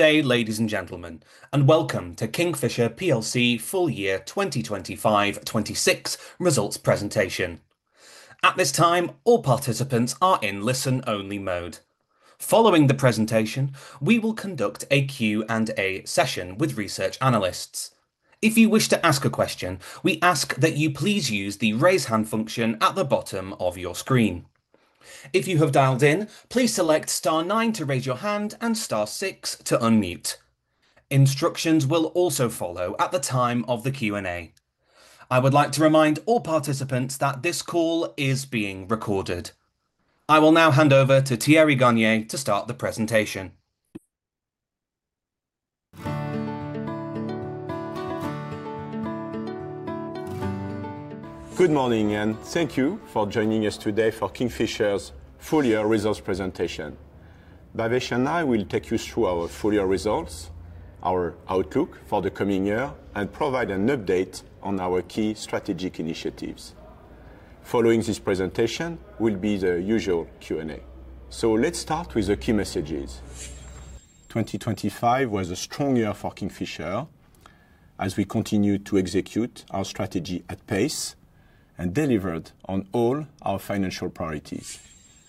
Good day, ladies and gentlemen, and welcome to Kingfisher plc full year 2025/26 results presentation. At this time, all participants are in listen-only mode. Following the presentation, we will conduct a Q&A session with research analysts. If you wish to ask a question, we ask that you please use the Raise Hand function at the bottom of your screen. If you have dialed in, please select star nine to raise your hand and star six to unmute. Instructions will also follow at the time of the Q&A. I would like to remind all participants that this call is being recorded. I will now hand over to Thierry Garnier to start the presentation. Good morning, and thank you for joining us today for Kingfisher's full year results presentation. Bhavesh and I will take you through our full year results, our outlook for the coming year, and provide an update on our key strategic initiatives. Following this presentation will be the usual Q&A. Let's start with the key messages. 2025 was a strong year for Kingfisher as we continued to execute our strategy at pace, and delivered on all our financial priorities.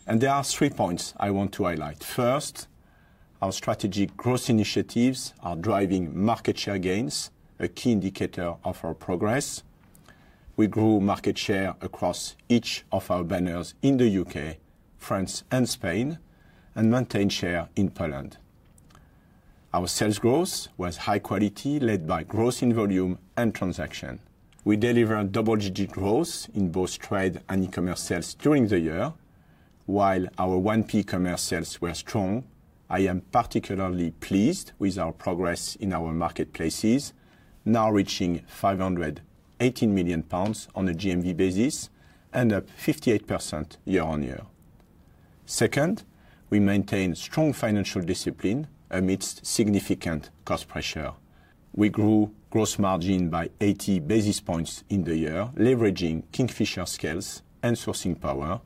There are three points I want to highlight. First, our strategic growth initiatives are driving market share gains, a key indicator of our progress. We grew market share across each of our banners in the U.K., France, and Spain, and maintained share in Poland. Our sales growth was high quality, led by growth in volume and transaction. We delivered double-digit growth in both trade and e-commerce sales during the year. While our 1P commerce sales were strong, I am particularly pleased with our progress in our marketplaces, now reaching 518 million pounds on a GMV basis and up 58% year-over-year. Second, we maintained strong financial discipline amidst significant cost pressure. We grew gross margin by 80 basis points in the year, leveraging Kingfisher scales and sourcing power,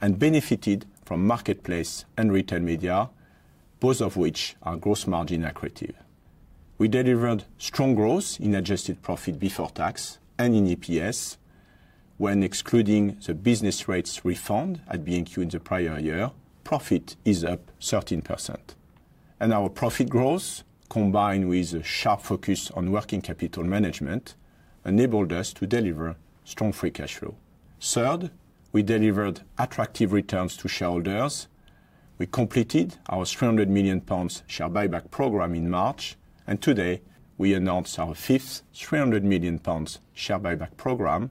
and benefited from marketplace and retail media, both of which are gross margin accretive. We delivered strong growth in adjusted profit before tax and in EPS when excluding the business rates refund at B&Q in the prior year. Profit is up 13%. Our profit growth, combined with a sharp focus on working capital management, enabled us to deliver strong free cash flow. Third, we delivered attractive returns to shareholders. We completed our 300 million pounds share buyback program in March, and today we announced our fifth 300 million pounds share buyback program,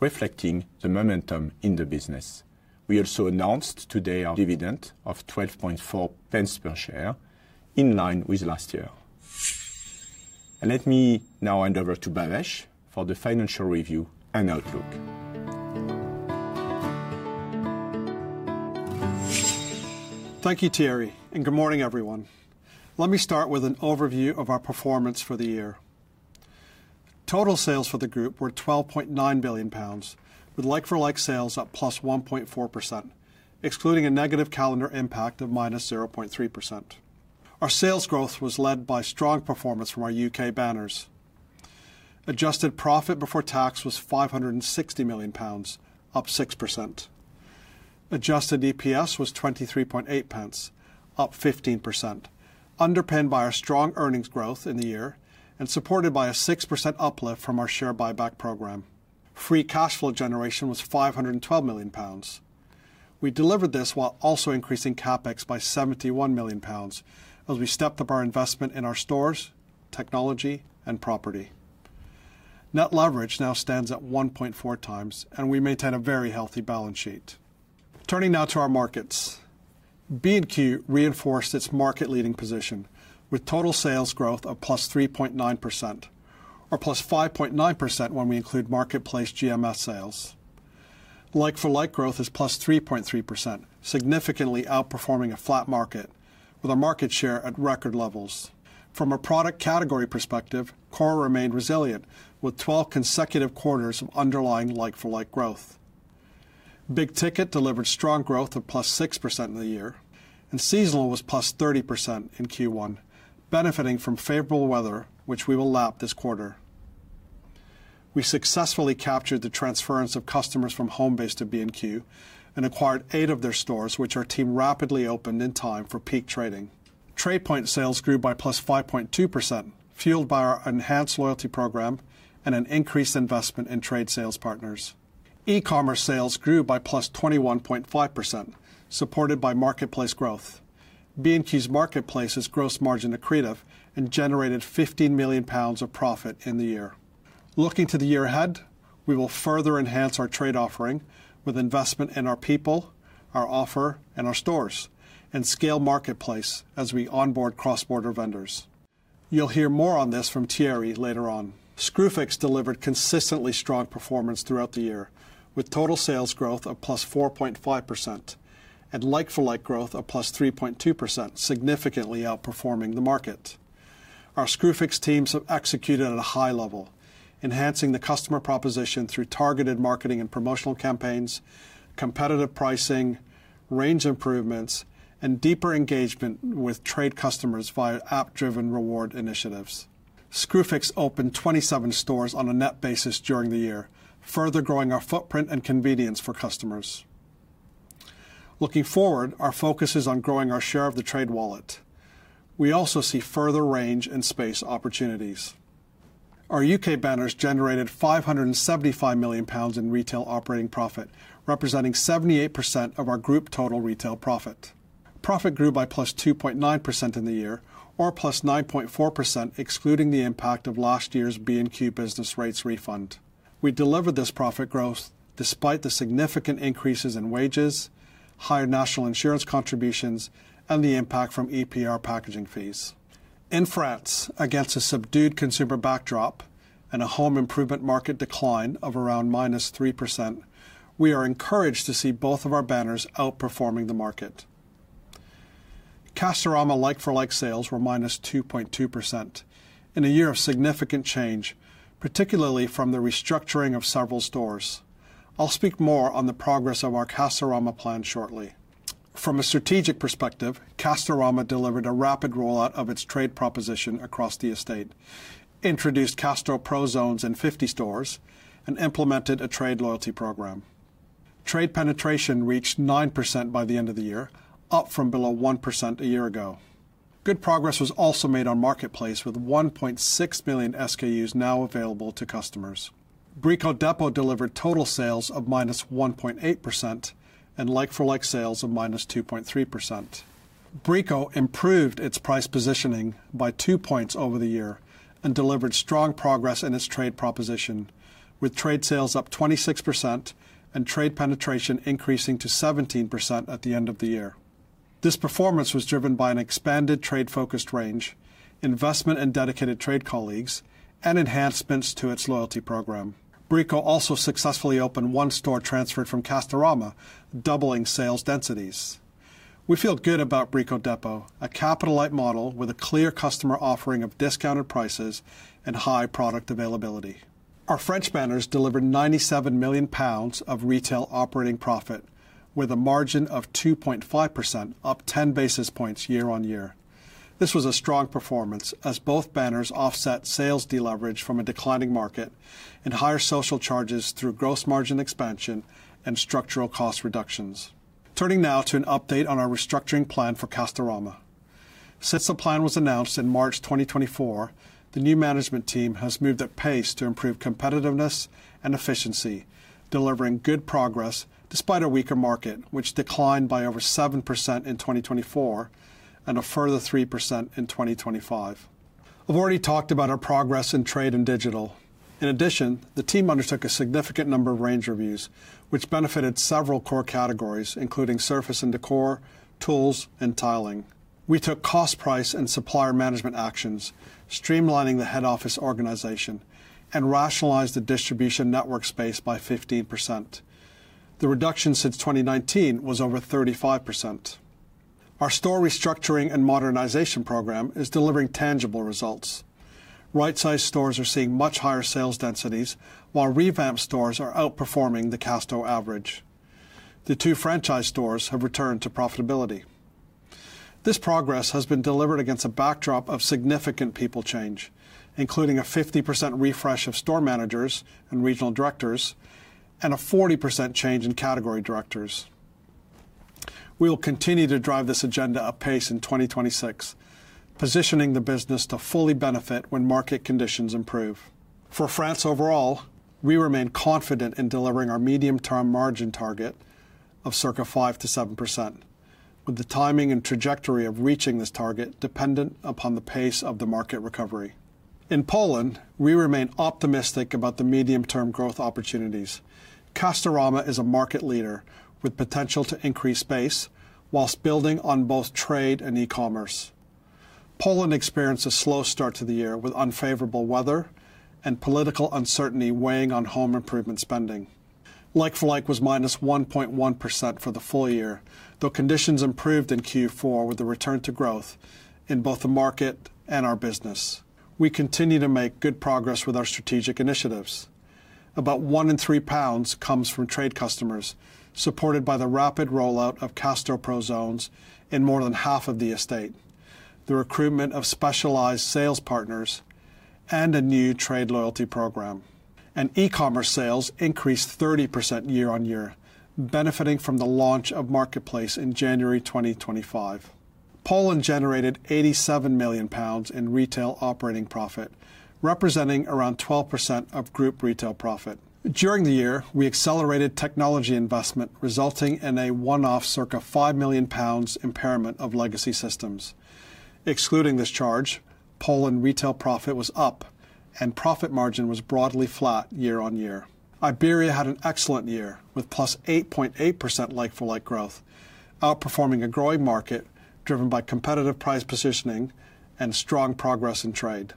reflecting the momentum in the business. We also announced today our dividend of 0.124 per share, in line with last year. Let me now hand over to Bhavesh for the financial review and outlook. Thank you, Thierry, and good morning, everyone. Let me start with an overview of our performance for the year. Total sales for the group were 12.9 billion pounds, with like-for-like sales up +1.4%, excluding a negative calendar impact of -0.3%. Our sales growth was led by strong performance from our U.K. banners. Adjusted profit before tax was 560 million pounds, up 6%. Adjusted EPS wasGBP 0.238, up 15%, underpinned by our strong earnings growth in the year and supported by a 6% uplift from our share buyback program. Free cash flow generation was 512 million pounds. We delivered this while also increasing CapEx by 71 million pounds as we stepped up our investment in our stores, technology and property. Net leverage now stands at 1.4x and we maintain a very healthy balance sheet. Turning now to our markets. B&Q reinforced its market-leading position with total sales growth of +3.9% or +5.9% when we include marketplace GMS sales. Like-for-like growth is +3.3%, significantly outperforming a flat market with our market share at record levels. From a product category perspective, core remained resilient with 12 consecutive quarters of underlying like-for-like growth. Big Ticket delivered strong growth of +6% in the year, and Seasonal was +30% in Q1, benefiting from favorable weather which we will lap this quarter. We successfully captured the transference of customers from Homebase to B&Q and acquired 8 of their stores, which our team rapidly opened in time for peak trading. TradePoint sales grew by +5.2%, fueled by our enhanced loyalty program and an increased investment in trade sales partners. E-commerce sales grew by +21.5%, supported by marketplace growth. B&Q's marketplace is gross margin accretive and generated 15 million pounds of profit in the year. Looking to the year ahead, we will further enhance our trade offering with investment in our people, our offer, and our stores, and scale marketplace as we onboard cross-border vendors. You'll hear more on this from Thierry later on. Screwfix delivered consistently strong performance throughout the year, with total sales growth of +4.5% and like-for-like growth of +3.2%, significantly outperforming the market. Our Screwfix teams have executed at a high level, enhancing the customer proposition through targeted marketing and promotional campaigns, competitive pricing, range improvements, and deeper engagement with trade customers via app-driven reward initiatives. Screwfix opened 27 stores on a net basis during the year, further growing our footprint and convenience for customers. Looking forward, our focus is on growing our share of the trade wallet. We also see further range and space opportunities. Our U.K. banners generated 575 million pounds in retail operating profit, representing 78% of our group total retail profit. Profit grew by +2.9% in the year, or +9.4% excluding the impact of last year's B&Q business rates refund. We delivered this profit growth despite the significant increases in wages, higher national insurance contributions, and the impact from EPR packaging fees. In France, against a subdued consumer backdrop and a home improvement market decline of around -3%, we are encouraged to see both of our banners outperforming the market. Castorama like-for-like sales were -2.2% in a year of significant change, particularly from the restructuring of several stores. I'll speak more on the progress of our Castorama plan shortly. From a strategic perspective, Castorama delivered a rapid rollout of its trade proposition across the estate, introduced Casto Pro zones in 50 stores, and implemented a trade loyalty program. Trade penetration reached 9% by the end of the year, up from below 1% a year ago. Good progress was also made on marketplace with 1.6 million SKUs now available to customers. Brico Dépôt delivered total sales of -1.8% and like-for-like sales of -2.3%. Brico Dépôt improved its price positioning by 2 points over the year and delivered strong progress in its trade proposition, with trade sales up 26% and trade penetration increasing to 17% at the end of the year. This performance was driven by an expanded trade-focused range, investment in dedicated trade colleagues, and enhancements to its loyalty program. Brico Dépôt also successfully opened 1 store transferred from Castorama, doubling sales densities. We feel good about Brico Dépôt, a capital-light model with a clear customer offering of discounted prices and high product availability. Our French banners delivered 97 million pounds of retail operating profit with a margin of 2.5%, up 10 basis points year-on-year. This was a strong performance as both banners offset sales deleverage from a declining market and higher social charges through gross margin expansion and structural cost reductions. Turning now to an update on our restructuring plan for Castorama. Since the plan was announced in March 2024, the new management team has moved at pace to improve competitiveness and efficiency, delivering good progress despite a weaker market, which declined by over 7% in 2024 and a further 3% in 2025. I've already talked about our progress in trade and digital. In addition, the team undertook a significant number of range reviews, which benefited several core categories, including surface and decor, tools, and tiling. We took cost price and supplier management actions, streamlining the head office organization and rationalized the distribution network space by 15%. The reduction since 2019 was over 35%. Our store restructuring and modernization program is delivering tangible results. Right-sized stores are seeing much higher sales densities while revamped stores are outperforming the Castorama average. The two franchise stores have returned to profitability. This progress has been delivered against a backdrop of significant people change, including a 50% refresh of store managers and regional directors and a 40% change in category directors. We will continue to drive this agenda apace in 2026, positioning the business to fully benefit when market conditions improve. For France overall, we remain confident in delivering our medium-term margin target of circa 5%-7%, with the timing and trajectory of reaching this target dependent upon the pace of the market recovery. In Poland, we remain optimistic about the medium-term growth opportunities. Castorama is a market leader with potential to increase base while building on both trade and e-commerce. Poland experienced a slow start to the year with unfavorable weather and political uncertainty weighing on home improvement spending. Like-for-like was -1.1% for the full year, though conditions improved in Q4 with a return to growth in both the market and our business. We continue to make good progress with our strategic initiatives. About 1 in 3 pounds comes from trade customers, supported by the rapid rollout of Casto Pro Zones in more than half of the estate, the recruitment of specialized sales partners, and a new trade loyalty program. E-commerce sales increased 30% year-over-year, benefiting from the launch of marketplace in January 2025. Poland generated 87 million pounds in retail operating profit, representing around 12% of group retail profit. During the year, we accelerated technology investment, resulting in a one-off circa 5 million pounds impairment of legacy systems. Excluding this charge, Poland retail profit was up and profit margin was broadly flat year-on-year. Iberia had an excellent year, with +8.8% like-for-like growth, outperforming a growing market driven by competitive price positioning and strong progress in trade.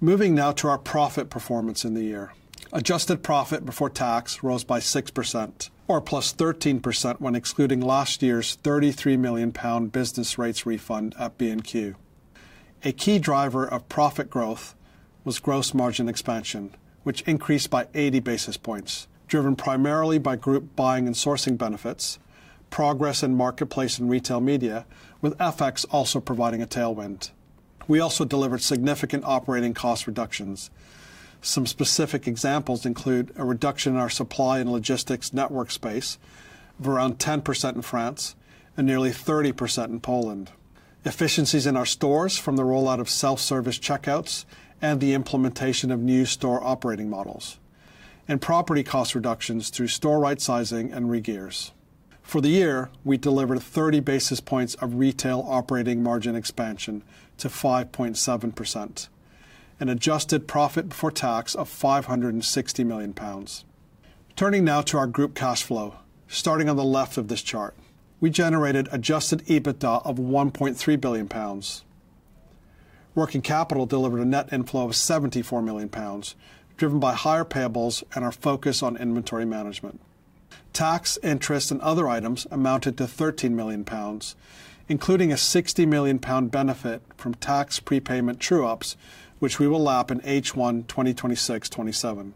Moving now to our profit performance in the year. Adjusted profit before tax rose by 6%, or +13% when excluding last year's 33 million pound business rates refund at B&Q. A key driver of profit growth was gross margin expansion, which increased by 80 basis points, driven primarily by group buying and sourcing benefits, progress in marketplace and retail media, with FX also providing a tailwind. We also delivered significant operating cost reductions. Some specific examples include a reduction in our supply and logistics network space of around 10% in France and nearly 30% in Poland. Efficiencies in our stores from the rollout of self-service checkouts and the implementation of new store operating models. Property cost reductions through store right sizing and regears. For the year, we delivered 30 basis points of retail operating margin expansion to 5.7%. An adjusted profit before tax of 560 million pounds. Turning now to our group cash flow, starting on the left of this chart. We generated adjusted EBITDA of 1.3 billion pounds. Working capital delivered a net inflow of 74 million pounds, driven by higher payables and our focus on inventory management. Tax interest and other items amounted to 13 million pounds, including a 60 million pound benefit from tax prepayment true-ups, which we will lap in H1 2026, 2027.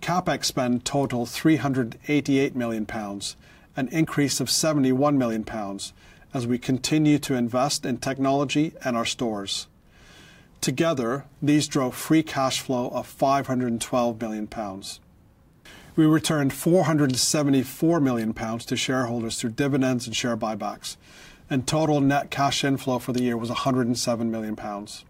CapEx spend totaled 388 million pounds, an increase of 71 million pounds as we continue to invest in technology and our stores. Together, these drove free cash flow of 512 million pounds. We returned 474 million pounds to shareholders through dividends and share buybacks, and total net cash inflow for the year was 107 million pounds.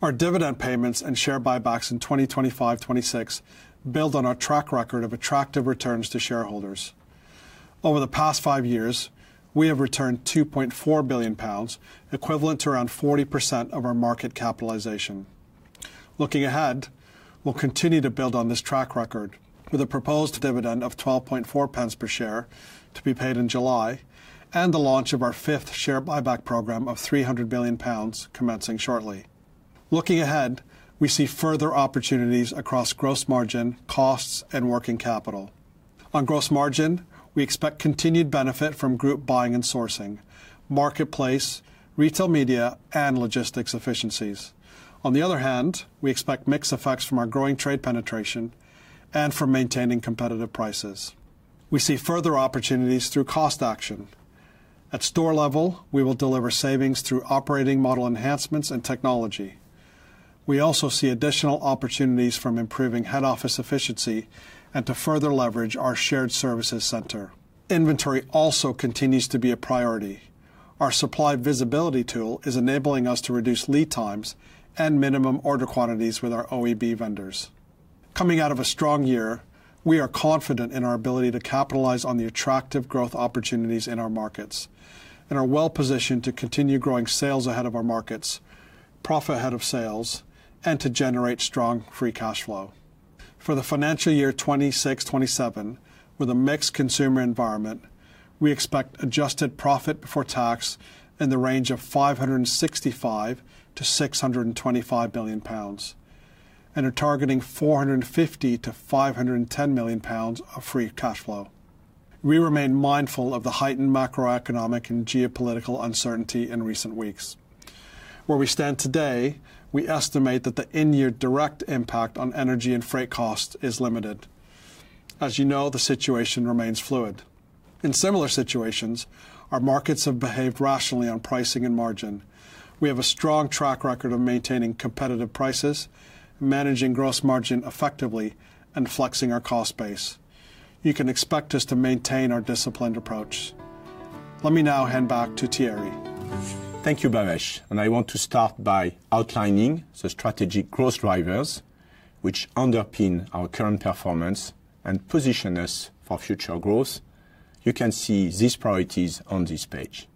Our dividend payments and share buybacks in 2025, 2026 build on our track record of attractive returns to shareholders. Over the past five years, we have returned 2.4 billion pounds, equivalent to around 40% of our market capitalization. Looking ahead, we'll continue to build on this track record with a proposed dividend of 0.124 per share to be paid in July and the launch of our fifth share buyback program of 300 million pounds commencing shortly. Looking ahead, we see further opportunities across gross margin, costs, and working capital. On gross margin, we expect continued benefit from group buying and sourcing, marketplace, retail media, and logistics efficiencies. On the other hand, we expect mixed effects from our growing trade penetration and from maintaining competitive prices. We see further opportunities through cost action. At store level, we will deliver savings through operating model enhancements and technology. We also see additional opportunities from improving head office efficiency and to further leverage our shared services center. Inventory also continues to be a priority. Our supply visibility tool is enabling us to reduce lead times and minimum order quantities with our OEB vendors. Coming out of a strong year, we are confident in our ability to capitalize on the attractive growth opportunities in our markets and are well-positioned to continue growing sales ahead of our markets, profit ahead of sales, and to generate strong free cash flow. For the financial year 2026-2027, with a mixed consumer environment, we expect adjusted profit before tax in the range of 565 million-625 million pounds, and are targeting 450 million-510 million pounds of free cash flow. We remain mindful of the heightened macroeconomic and geopolitical uncertainty in recent weeks. Where we stand today, we estimate that the in-year direct impact on energy and freight costs is limited. As you know, the situation remains fluid. In similar situations, our markets have behaved rationally on pricing and margin. We have a strong track record of maintaining competitive prices, managing gross margin effectively, and flexing our cost base. You can expect us to maintain our disciplined approach. Let me now hand back to Thierry. Thank you, Bhavesh. I want to start by outlining the strategic growth drivers which underpin our current performance and position us for future growth. You can see these priorities on this page.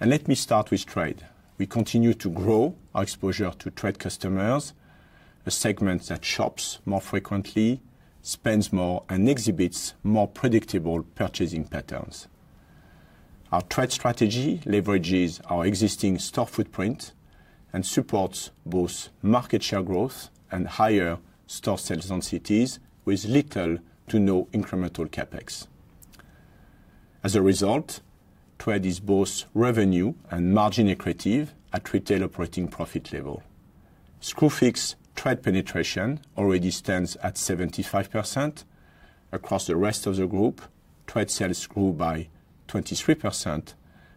Let me start with trade. We continue to grow our exposure to trade customers, a segment that shops more frequently, spends more, and exhibits more predictable purchasing patterns. Our trade strategy leverages our existing store footprint and supports both market share growth and higher store sales densities with little to no incremental CapEx. As a result, trade is both revenue and margin accretive at retail operating profit level. Screwfix trade penetration already stands at 75%. Across the rest of the group, trade sales grew by 23%,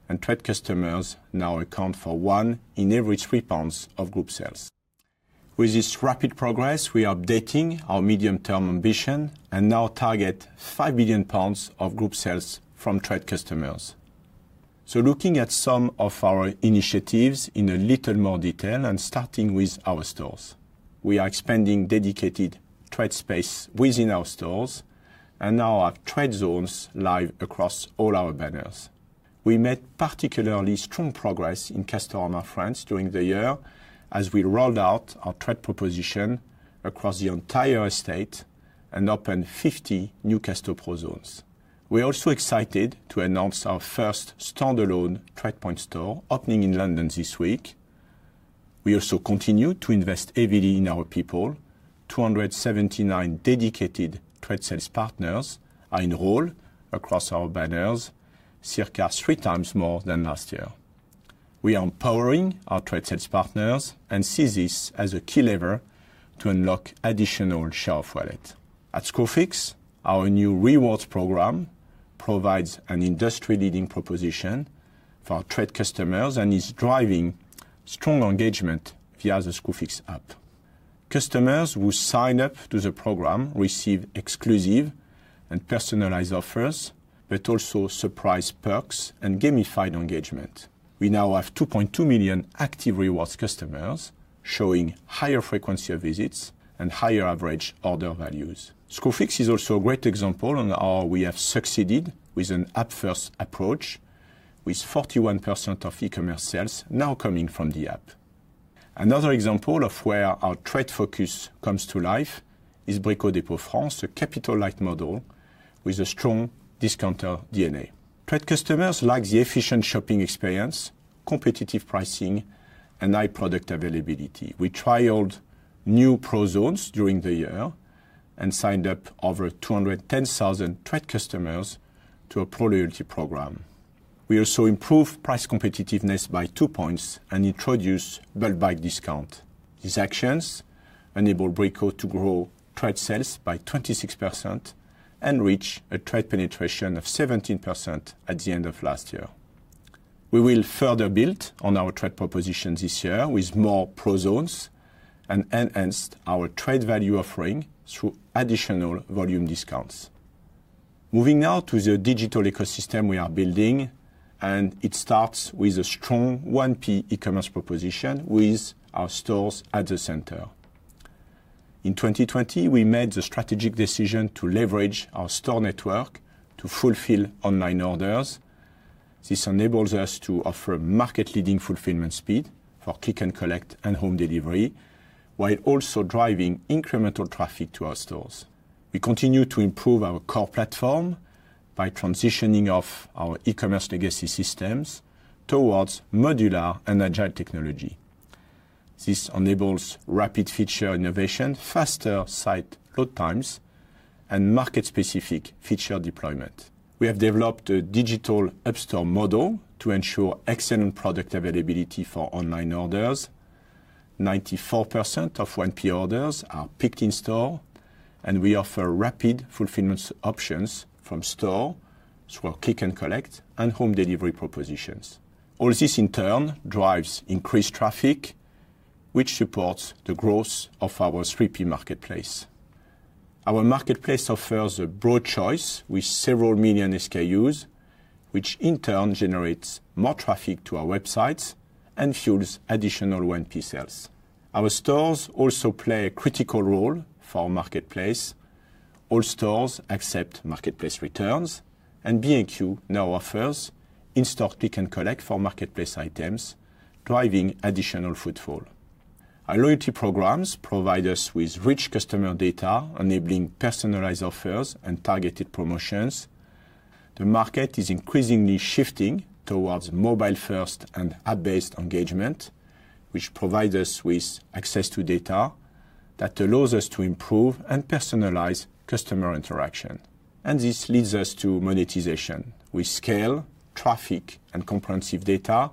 and trade customers now account for 1 in every 3 pounds of group sales. With this rapid progress, we are updating our medium-term ambition and now target 5 billion pounds of group sales from trade customers. Looking at some of our initiatives in a little more detail and starting with our stores. We are expanding dedicated trade space within our stores, and now our trade zones lie across all our banners. We made particularly strong progress in Castorama France during the year as we rolled out our trade proposition across the entire estate and opened 50 new Casto Pro zones. We are also excited to announce our first standalone TradePoint store opening in London this week. We also continue to invest heavily in our people. 279 dedicated trade sales partners are enrolled across our banners, circa 3x more than last year. We are empowering our trade sales partners and see this as a key lever to unlock additional shelf wallet. At Screwfix, our new rewards program provides an industry-leading proposition for our trade customers and is driving strong engagement via the Screwfix app. Customers who sign up to the program receive exclusive and personalized offers, but also surprise perks and gamified engagement. We now have 2.2 million active rewards customers showing higher frequency of visits and higher average order values. Screwfix is also a great example on how we have succeeded with an app-first approach, with 41% of e-commerce sales now coming from the app. Another example of where our trade focus comes to life is Brico Dépôt France, a capital-light model with a strong discounter DNA. Trade customers like the efficient shopping experience, competitive pricing, and high product availability. We trialed new pro zones during the year and signed up over 210,000 trade customers to a pro loyalty program. We also improved price competitiveness by 2 points and introduced bulk buy discount. These actions enable Brico Dépôt to grow trade sales by 26% and reach a trade penetration of 17% at the end of last year. We will further build on our trade proposition this year with more pro zones and enhance our trade value offering through additional volume discounts. Moving now to the digital ecosystem we are building, and it starts with a strong 1P e-commerce proposition with our stores at the center. In 2020, we made the strategic decision to leverage our store network to fulfill online orders. This enables us to offer market-leading fulfillment speed for click and collect and home delivery, while also driving incremental traffic to our stores. We continue to improve our core platform by transitioning our e-commerce legacy systems towards modular and agile technology. This enables rapid feature innovation, faster site load times, and market-specific feature deployment. We have developed a digital in-store model to ensure excellent product availability for online orders. 94% of 1P orders are picked in store, and we offer rapid fulfillment options from store through our click and collect and home delivery propositions. All this in turn drives increased traffic, which supports the growth of our 3P marketplace. Our marketplace offers a broad choice with several million SKUs, which in turn generates more traffic to our websites and fuels additional 1P sales. Our stores also play a critical role for our marketplace. All stores accept marketplace returns and B&Q now offers in-store click and collect for marketplace items, driving additional footfall. Our loyalty programs provide us with rich customer data, enabling personalized offers and targeted promotions. The market is increasingly shifting towards mobile-first and ad-based engagement, which provides us with access to data that allows us to improve and personalize customer interaction. This leads us to monetization. With scale, traffic, and comprehensive data,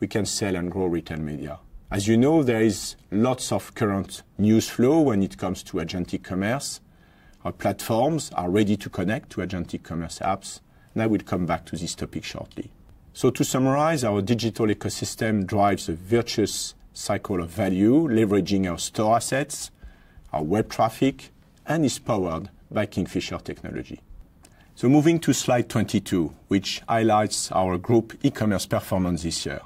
we can sell and grow retail media. As you know, there is lots of current news flow when it comes to agentic commerce. Our platforms are ready to connect to agentic commerce apps, and I will come back to this topic shortly. To summarize, our digital ecosystem drives a virtuous cycle of value, leveraging our store assets, our web traffic, and is powered by Kingfisher Technology. Moving to slide 22, which highlights our group e-commerce performance this year.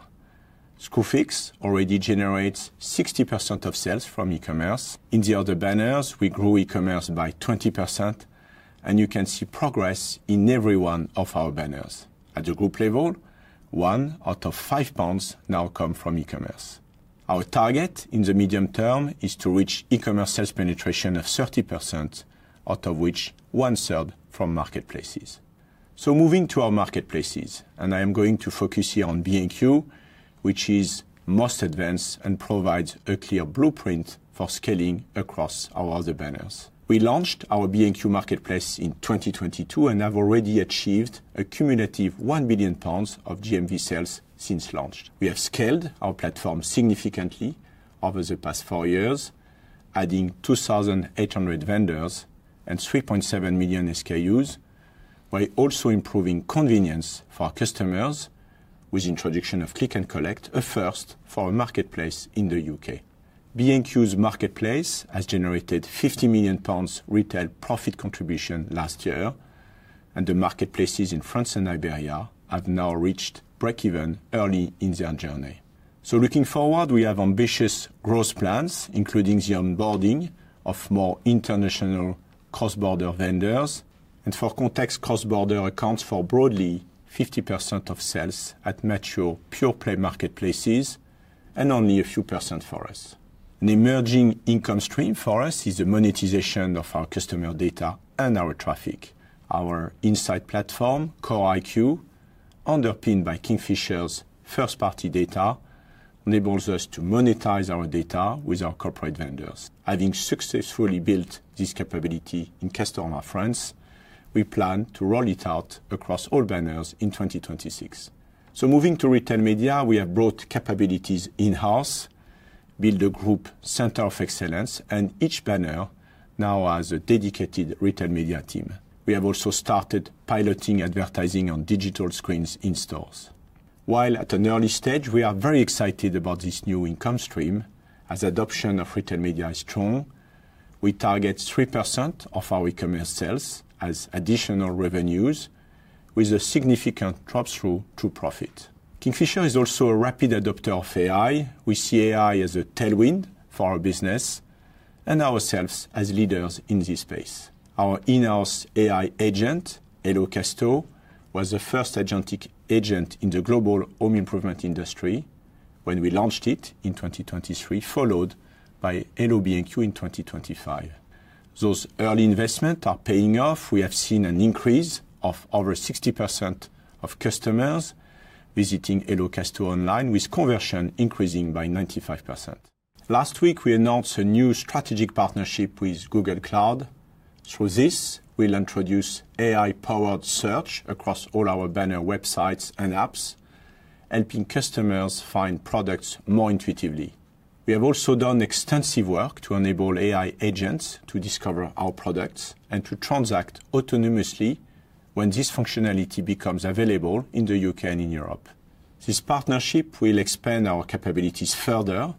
Screwfix already generates 60% of sales from e-commerce. In the other banners, we grew e-commerce by 20%, and you can see progress in every one of our banners. At the group level, 1 out of 5 pounds now come from e-commerce. Our target in the medium term is to reach e-commerce sales penetration of 30%, out of which one-third from marketplaces. Moving to our marketplaces, and I am going to focus here on B&Q, which is most advanced and provides a clear blueprint for scaling across our other banners. We launched our B&Q marketplace in 2022 and have already achieved a cumulative 1 billion pounds of GMV sales since launch. We have scaled our platform significantly over the past four years, adding 2,800 vendors and 3.7 million SKUs, while also improving convenience for our customers with introduction of click and collect, a first for a marketplace in the U.K. B&Q's marketplace has generated 50 million pounds retail profit contribution last year, and the marketplaces in France and Iberia have now reached breakeven early in their journey. Looking forward, we have ambitious growth plans, including the onboarding of more international cross-border vendors. For context, cross-border accounts for broadly 50% of sales at mature pure play marketplaces and only a few percent for us. An emerging income stream for us is the monetization of our customer data and our traffic. Our insight platform, Core IQ, underpinned by Kingfisher's first-party data, enables us to monetize our data with our corporate vendors. Having successfully built this capability in Castorama France, we plan to roll it out across all banners in 2026. Moving to retail media, we have brought capabilities in-house, built a group center of excellence, and each banner now has a dedicated retail media team. We have also started piloting advertising on digital screens in stores. While at an early stage, we are very excited about this new income stream as adoption of retail media is strong. We target 3% of our e-commerce sales as additional revenues with a significant drop through to profit. Kingfisher is also a rapid adopter of AI. We see AI as a tailwind for our business and ourselves as leaders in this space. Our in-house AI agent, Hello Casto, was the first agentic agent in the global home improvement industry when we launched it in 2023, followed by Hello B&Q in 2025. Those early investment are paying off. We have seen an increase of over 60% of customers visiting Hello Casto online, with conversion increasing by 95%. Last week, we announced a new strategic partnership with Google Cloud. Through this, we'll introduce AI-powered search across all our banner websites and apps, helping customers find products more intuitively. We have also done extensive work to enable AI agents to discover our products and to transact autonomously when this functionality becomes available in the U.K. and in Europe. This partnership will expand our capabilities further,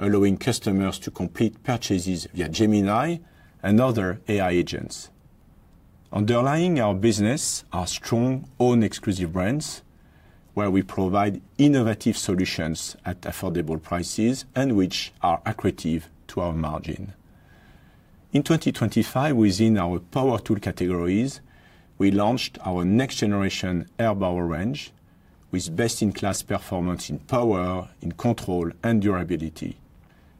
allowing customers to complete purchases via Gemini and other AI agents. Underlying our business are strong own exclusive brands, where we provide innovative solutions at affordable prices and which are accretive to our margin. In 2025, within our power tool categories, we launched our next generation Erbauer range with best-in-class performance in power, in control, and durability.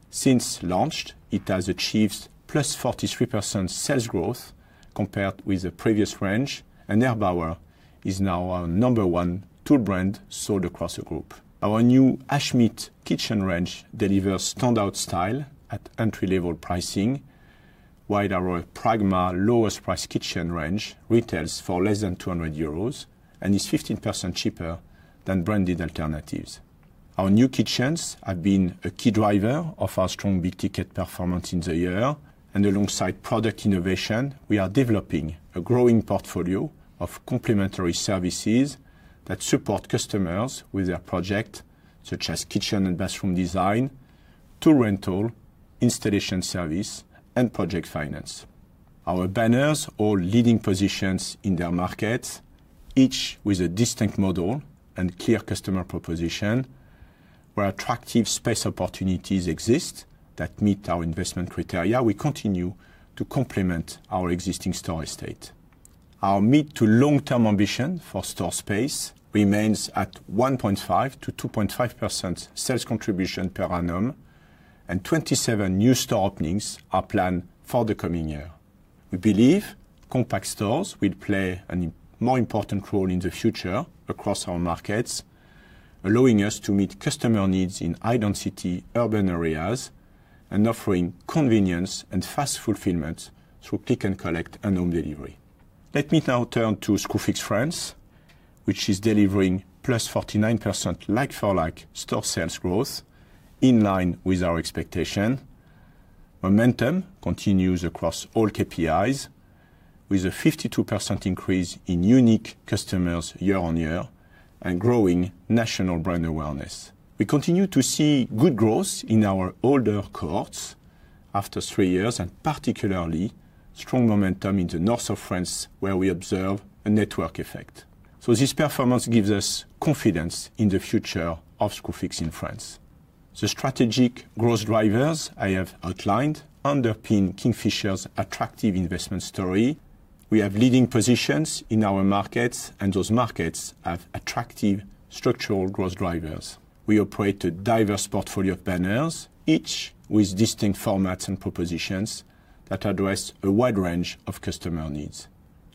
Since launched, it has achieved +43% sales growth compared with the previous range, and Erbauer is now our number one tool brand sold across the group. Our new Ashmead kitchen range delivers standout style at entry-level pricing, while our Pragma lowest price kitchen range retails for less than 200 euros and is 15% cheaper than branded alternatives. Our new kitchens have been a key driver of our strong big ticket performance in the year. Alongside product innovation, we are developing a growing portfolio of complementary services that support customers with their project, such as kitchen and bathroom design, tool rental, installation service, and project finance. Our banners hold leading positions in their markets, each with a distinct model and clear customer proposition, where attractive space opportunities exist that meet our investment criteria, we continue to complement our existing store estate. Our mid to long-term ambition for store space remains at 1.5%-2.5% sales contribution per annum, and 27 new store openings are planned for the coming year. We believe compact stores will play a more important role in the future across our markets, allowing us to meet customer needs in high density urban areas and offering convenience and fast fulfillment through click and collect and home delivery. Let me now turn to Screwfix France, which is delivering +49% like-for-like store sales growth in line with our expectation. Momentum continues across all KPIs, with a 52% increase in unique customers year-over-year and growing national brand awareness. We continue to see good growth in our older cohorts after three years, and particularly strong momentum in the north of France, where we observe a network effect. This performance gives us confidence in the future of Screwfix in France. The strategic growth drivers I have outlined underpin Kingfisher's attractive investment story. We have leading positions in our markets, and those markets have attractive structural growth drivers. We operate a diverse portfolio of banners, each with distinct formats and propositions that address a wide range of customer needs.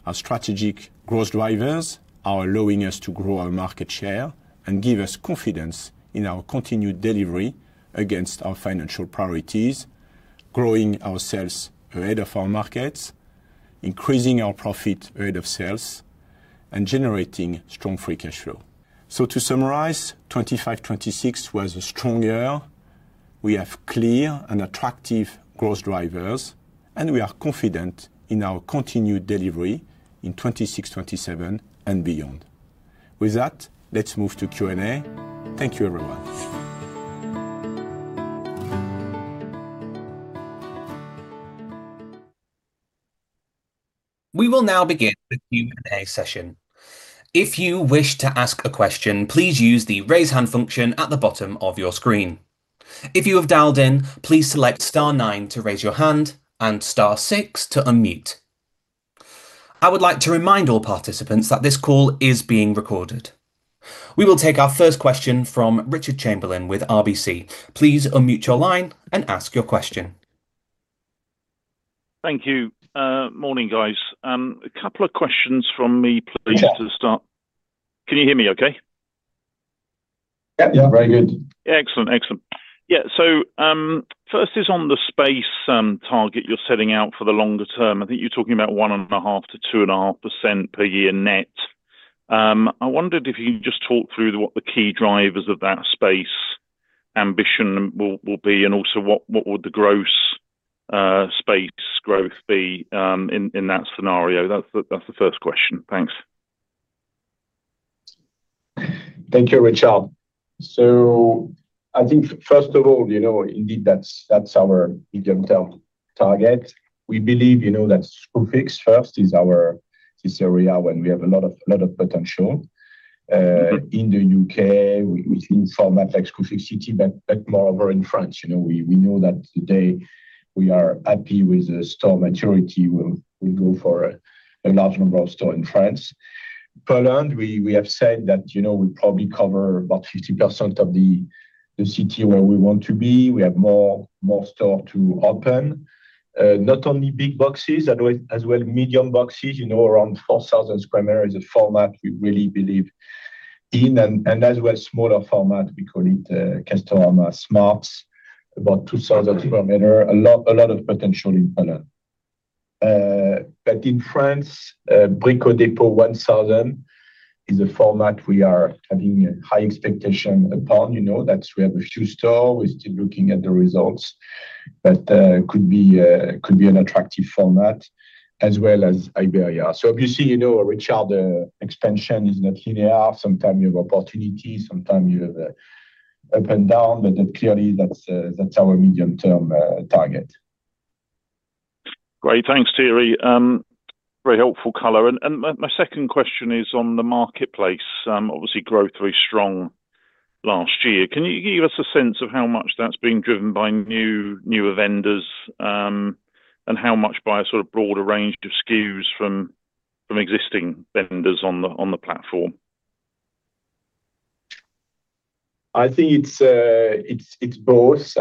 Our strategic growth drivers are allowing us to grow our market share and give us confidence in our continued delivery against our financial priorities, growing our sales ahead of our markets, increasing our profit rate of sales, and generating strong free cash flow. To summarize, 2025-2026 was a strong year. We have clear and attractive growth drivers, and we are confident in our continued delivery in 2026-2027 and beyond. With that, let's move to Q&A. Thank you, everyone. We will now begin the Q&A session. If you wish to ask a question, please use the raise hand function at the bottom of your screen. If you have dialed in, please select star nine to raise your hand and star six to unmute. I would like to remind all participants that this call is being recorded. We will take our first question from Richard Chamberlain with RBC. Please unmute your line and ask your question. Thank you. Morning, guys. A couple of questions from me, please, to start. Can you hear me okay? Yeah, very good. Excellent. Yeah. First is on the space target you're setting out for the longer term. I think you're talking about 1.5%-2.5% per year net. I wondered if you could just talk through what the key drivers of that space ambition will be and also what would the gross space growth be in that scenario? That's the first question. Thanks. Thank you, Richard. I think first of all, indeed, that's our medium-term target. We believe that Screwfix first is our. This area where we have a lot of potential in the U.K. with format like Screwfix City, but moreover in France. We know that today we are happy with the store maturity. We go for a large number of store in France. Poland, we have said that we probably cover about 50% of the city where we want to be. We have more store to open. Not only big boxes, as well, medium boxes, around 4,000 sq m is a format we really believe in. As well, smaller format, we call it Castorama Smart, about 2,000 sq m. A lot of potential in Poland. In France, Brico Dépôt 1000 sq m is a format we are having high expectation upon. We have a few stores. We're still looking at the results, but could be an attractive format as well as Iberia. If you see, Richard, expansion is not linear. Sometimes you have opportunity, sometimes you have ups and downs, but clearly that's our medium-term target. Great. Thanks, Thierry. Very helpful color. My second question is on the marketplace, obviously growth was strong last year. Can you give us a sense of how much that's been driven by new, newer vendors, and how much by a sort of broader range of SKUs from existing vendors on the platform? I think it's both.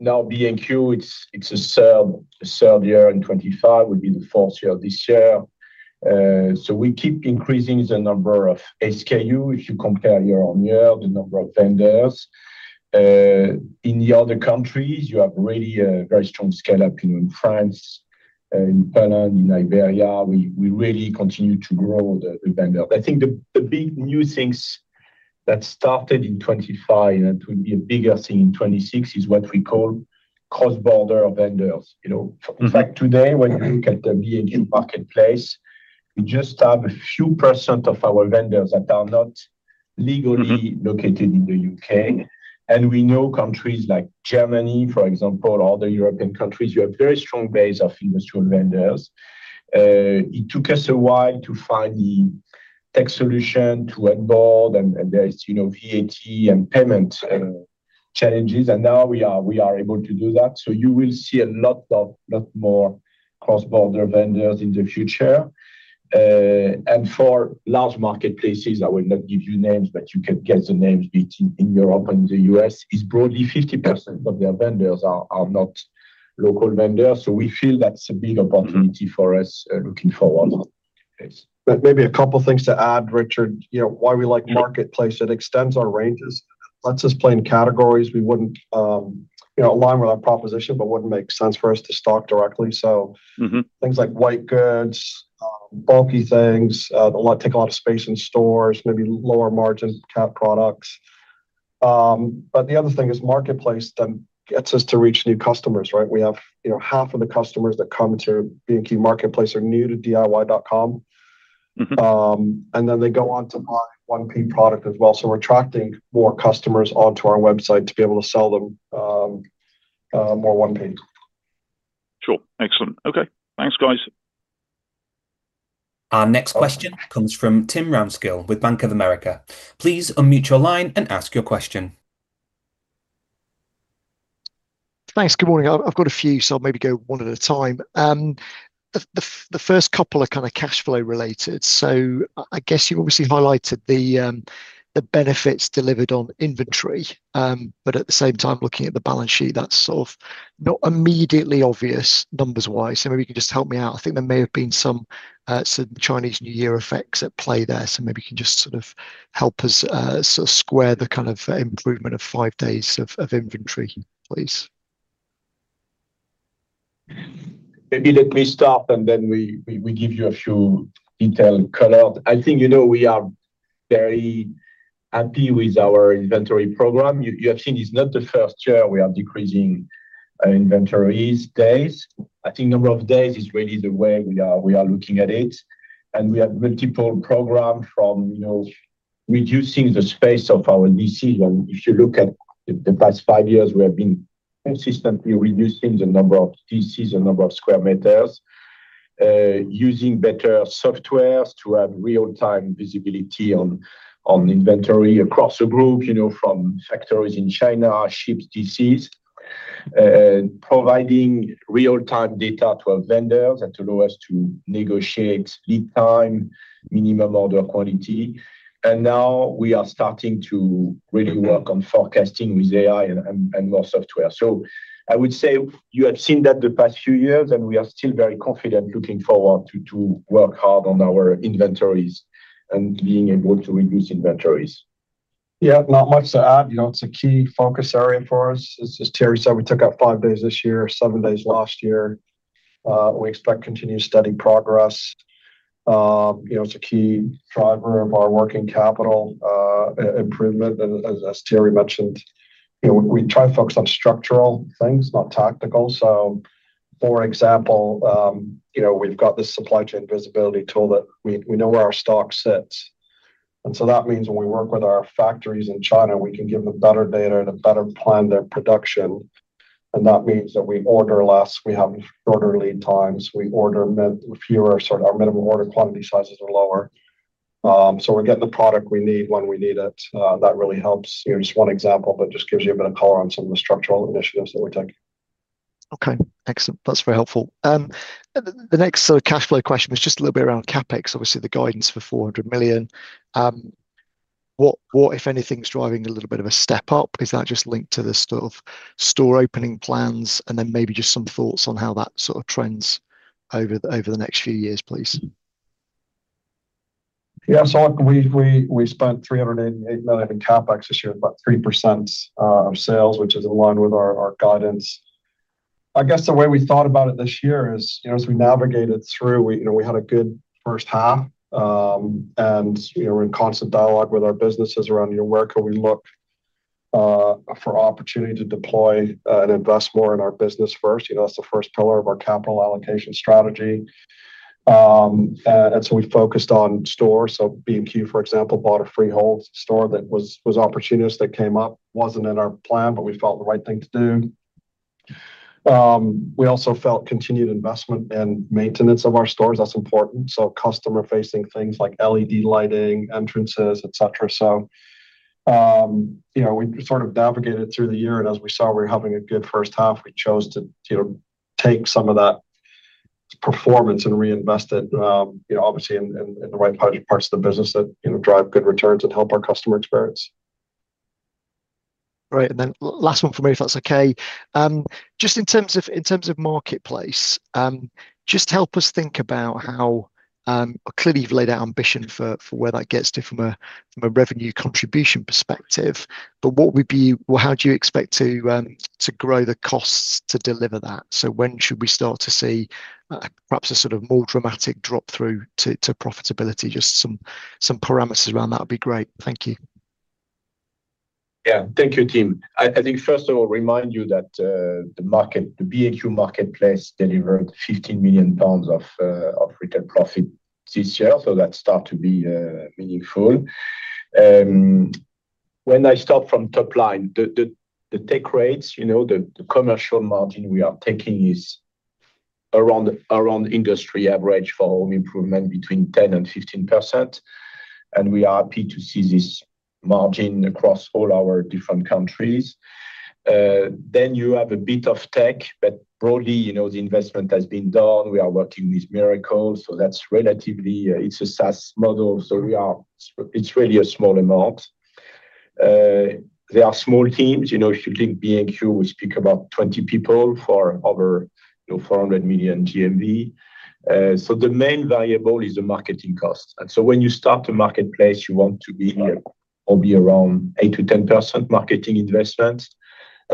Now B&Q, it's a sub year in 2025, will be the fourth year of this year. We keep increasing the number of SKUs, if you compare year-on-year, the number of vendors. In the other countries, you have really a very strong scale up in France, in Poland, in Iberia. We really continue to grow the vendors. I think the big new things that started in 2025, and it will be a bigger thing in 2026, is what we call cross-border vendors. In fact, today, when you look at the B&Q marketplace, we just have a few percent of our vendors that are not legally located in the U.K. We know countries like Germany, for example, other European countries, you have very strong base of industrial vendors. It took us a while to find the tech solution to onboard and there is VAT and payment challenges. Now we are able to do that. You will see a lot more cross-border vendors in the future. For large marketplaces, I will not give you names, but you can get the names be it in Europe and the U.S., is broadly 50% of their vendors are not local vendors. We feel that's a big opportunity for us looking forward. Maybe a couple things to add, Richard. Why we like marketplace, it extends our ranges. Lets us play in categories we wouldn't align with our proposition, but wouldn't make sense for us to stock directly. Mm-hmm. Things like white goods, bulky things, take a lot of space in stores, maybe lower margin cap products. The other thing is marketplace then gets us to reach new customers, right? We have half of the customers that come to B&Q marketplace are new to diy.com. Mm-hmm. They go on to buy 1P product as well. We're attracting more customers onto our website to be able to sell them more 1P. Sure. Excellent. Okay. Thanks, guys. Our next question comes from Tim Ramskill with Bank of America. Please unmute your line and ask your question. Thanks. Good morning. I've got a few, so I'll maybe go one at a time. The first couple are kinda cash flow related. I guess you obviously highlighted the benefits delivered on inventory, but at the same time, looking at the balance sheet, that's sort of not immediately obvious numbers-wise. Maybe you can just help me out. I think there may have been some Chinese New Year effects at play there. Maybe you can just sort of help us sort of square the kind of improvement of five days of inventory, please. Maybe let me start, and then we give you a few intel color. I think we are very happy with our inventory program. You have seen it's not the first year we are decreasing inventory days. I think number of days is really the way we are looking at it. We have multiple programs reducing the space of our DC. If you look at the past five years, we have been consistently reducing the number of DCs and number of square meters. Using better software to have real-time visibility on inventory across the group from factories in China, our ships, DCs. Providing real-time data to our vendors that allow us to negotiate lead time, minimum order quantity. Now we are starting to really work on forecasting with AI and more software. I would say you have seen that the past few years, and we are still very confident looking forward to work hard on our inventories and being able to reduce inventories. Yeah. Not much to add. It's a key focus area for us. As Thierry said, we took out five days this year, seven days last year. We expect continued steady progress. It's a key driver of our working capital improvement. As Thierry mentioned, you know, we try to focus on structural things, not tactical. For example, we've got this supply chain visibility tool that we know where our stock sits. That means when we work with our factories in China, we can give them better data to better plan their production, and that means that we order less, we have shorter lead times, we order fewer. Our minimum order quantity sizes are lower. We're getting the product we need when we need it. That really helps. Just one example, but just gives you a bit of color on some of the structural initiatives that we're taking. Okay. Excellent. That's very helpful. The next sort of cashflow question was just a little bit around CapEx, obviously the guidance for 400 million. What, if anything, is driving a little bit of a step up? Is that just linked to the sort of store opening plans? Maybe just some thoughts on how that sort of trends over the next few years, please. We spent 388 million in CapEx this year, about 3% of sales, which is in line with our guidance. The way we thought about it this year is as we navigated through, we had a good first half. We're in constant dialogue with our businesses around where can we look for opportunity to deploy and invest more in our business first. That's the first pillar of our capital allocation strategy. We focused on stores. B&Q, for example, bought a freehold store that was opportunistic that came up, wasn't in our plan, but we felt the right thing to do. We also felt continued investment and maintenance of our stores, that's important. Customer-facing things like LED lighting, entrances, et cetera. We sort of navigated through the year, and as we saw we were having a good first half, we chose to take some of that performance and reinvest it obviously in the right parts of the business that drive good returns and help our customer experience. Great. Last one from me, if that's okay. Just in terms of marketplace, just help us think about how clearly you've laid out ambition for where that gets to from a revenue contribution perspective. How do you expect to grow the costs to deliver that? When should we start to see perhaps a sort of more dramatic drop through to profitability? Just some parameters around that would be great. Thank you. Yeah. Thank you, Tim. I think first I will remind you that the B&Q marketplace delivered 15 million pounds of retail profit this year. That start to be meaningful. When I start from top line, the take rates, the commercial margin we are taking is around industry average for home improvement between 10%-15%, and we are happy to see this margin across all our different countries. Then you have a bit of tech, but broadly the investment has been done. We are working with Mirakl, so that's relatively, it's a SaaS model, so it's really a small amount. They are small teams. If you take B&Q, we speak about 20 people for over 400 million GMV. The main variable is the marketing costs. When you start the marketplace, you want to be probably around 8%-10% marketing investment.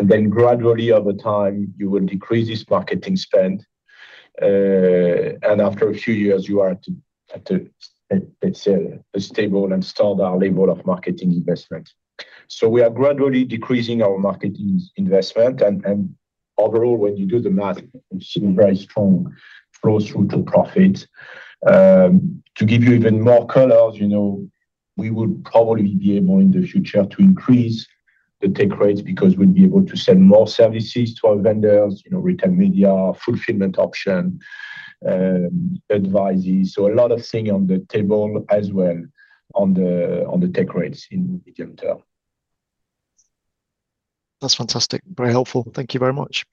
Then gradually over time, you will decrease this marketing spend. After a few years, you are at let's say a stable and standard level of marketing investment. We are gradually decreasing our marketing investment. Overall, when you do the math, we're seeing very strong flows through to profit. To give you even more colors, we would probably be able in the future to increase the take rates because we'd be able to sell more services to our vendors, retail media, fulfillment option, advisory. A lot of things on the table as well on the take rates in medium term. That's fantastic. Very helpful. Thank you very much.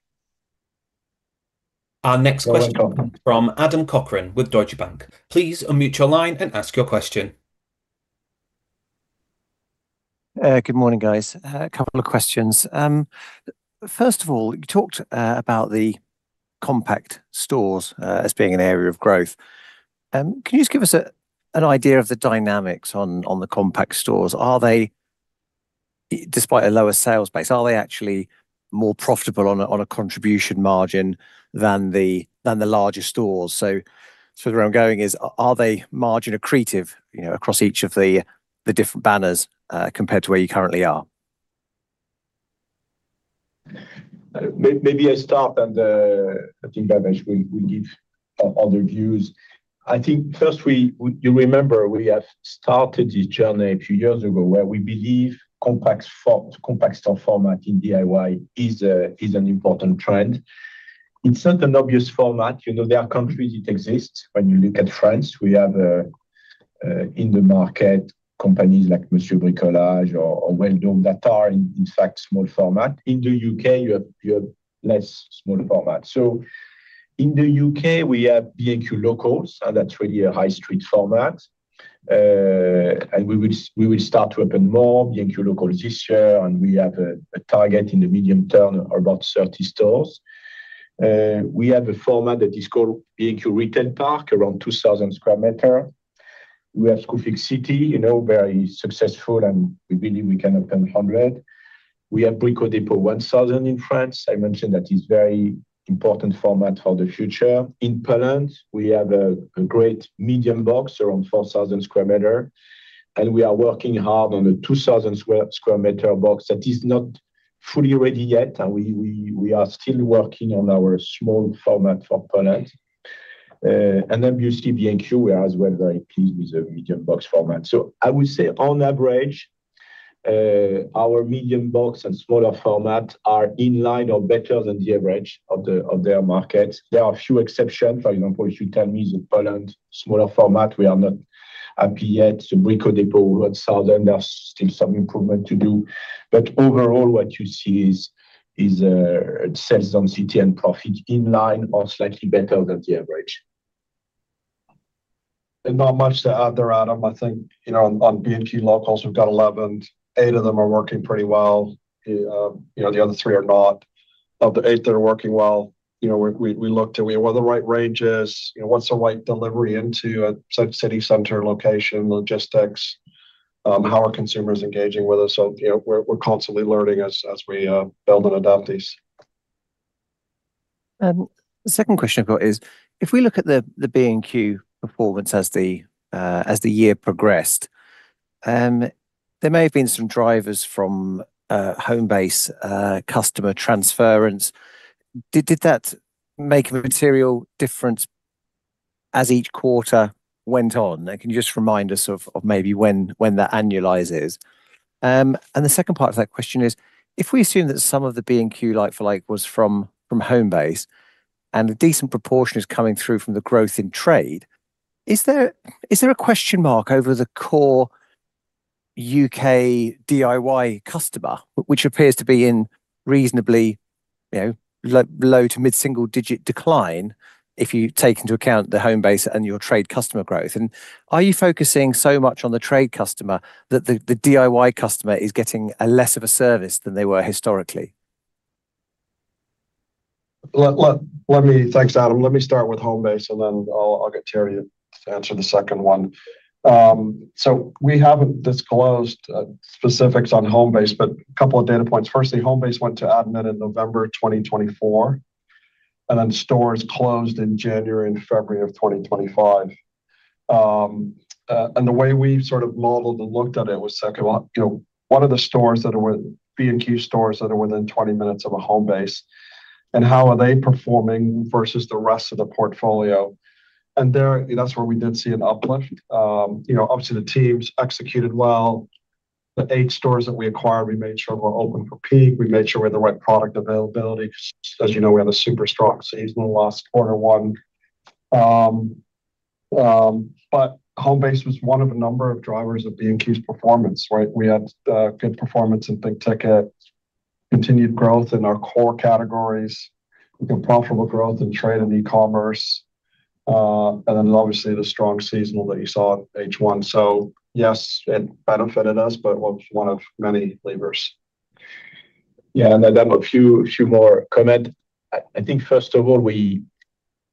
Our next question from Adam Cochrane with Deutsche Bank. Please unmute your line and ask your question. Good morning, guys. A couple of questions. First of all, you talked about the compact stores as being an area of growth. Can you just give us an idea of the dynamics on the compact stores? Are they, despite a lower sales base, actually more profitable on a contribution margin than the larger stores? So sort of where I'm going is are they margin accretive across each of the different banners compared to where you currently are? Maybe I start, and I think Bhavesh will give other views. I think first you remember, we have started this journey a few years ago where we believe compact store format in DIY is an important trend. It's not an obvious format. There are countries it exists. When you look at France, we have in the market companies like Monsieur Bricolage or Weldom that are in fact small format. In the U.K., you have less small format. In the U.K. we have B&Q Locals, and that's really a high street format. We will start to open more B&Q Locals this year, and we have a target in the medium term of about 30 stores. We have a format that is called B&Q Retail Park, around 2,000 sq m. We have Screwfix City, very successful, and we believe we can open 100. We have Brico Dépôt 1000 sq m in France. I mentioned that is very important format for the future. In Poland, we have a great medium box, around 4,000 sq m, and we are working hard on the 2,000 sq m box that is not fully ready yet. We are still working on our small format for Poland. You see B&Q, we are as well very pleased with the medium box format. I would say on average, our medium box and smaller format are in line or better than the average of their market. There are a few exceptions. For example, if you tell me the Poland smaller format, we are not happy yet. The Brico Dépôt 1000 sq m, there are still some improvement to do. Overall, what you see is sales on CTN profit in line or slightly better than the average. Not much to add there, Adam. I think on B&Q Local, we've got 11. Eight of them are working pretty well. The other three are not. Of the eight that are working well, we looked at what are the right ranges? What's the right delivery into a city center location, logistics? How are consumers engaging with us? We're constantly learning as we build and adapt these. The second question I've got is, if we look at the B&Q performance as the year progressed, there may have been some drivers from Homebase customer transference. Did that make a material difference as each quarter went on? Can you just remind us of maybe when that annualizes? The second part of that question is, if we assume that some of the B&Q like-for-like was from Homebase, and a decent proportion is coming through from the growth in trade, is there a question mark over the core U.K. DIY customer, which appears to be in reasonably, low to mid-single digit decline if you take into account the Homebase and your trade customer growth? Are you focusing so much on the trade customer that the DIY customer is getting less of a service than they were historically? Thanks, Adam. Let me start with Homebase, and then I'll get Thierry to answer the second one. So we haven't disclosed specifics on Homebase, but a couple of data points. Firstly, Homebase went to admin in November 2024, and then stores closed in January and February of 2025. The way we sort of modeled and looked at it was said, okay, well, what are the B&Q stores that are within 20 minutes of a Homebase, and how are they performing versus the rest of the portfolio? There, that's where we did see an uplift. Obviously, the teams executed well. The eight stores that we acquired, we made sure were open for peak. We made sure we had the right product availability. We had a super strong seasonal last quarter one. Homebase was one of a number of drivers of B&Q's performance, right? We had good performance in big ticket, continued growth in our core categories. We've got profitable growth in trade and e-commerce. Obviously the strong seasonal that you saw in H1. Yes, it benefited us, but was one of many levers. Yeah, Adam, a few more comment. I think first of all, we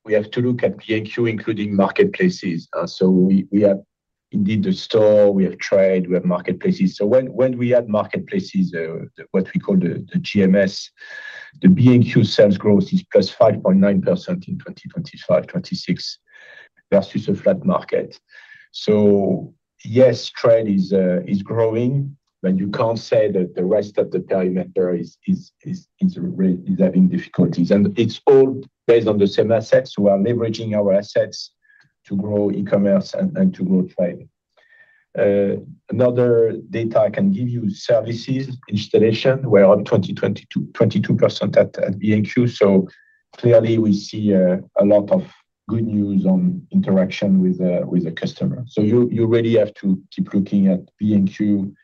have to look at B&Q including marketplaces. We have indeed the store, we have trade, we have marketplaces. When we add marketplaces or what we call the GMV, the B&Q sales growth is +5.9% in 2025-2026 versus a flat market. Yes, trade is growing, but you can't say that the rest of the perimeter is having difficulties. It's all based on the same assets. We are leveraging our assets to grow e-commerce and to grow trade. Another data I can give you, services installation. We're on 22% at B&Q. Clearly we see a lot of good news on interaction with a customer. You really have to keep looking at B&Q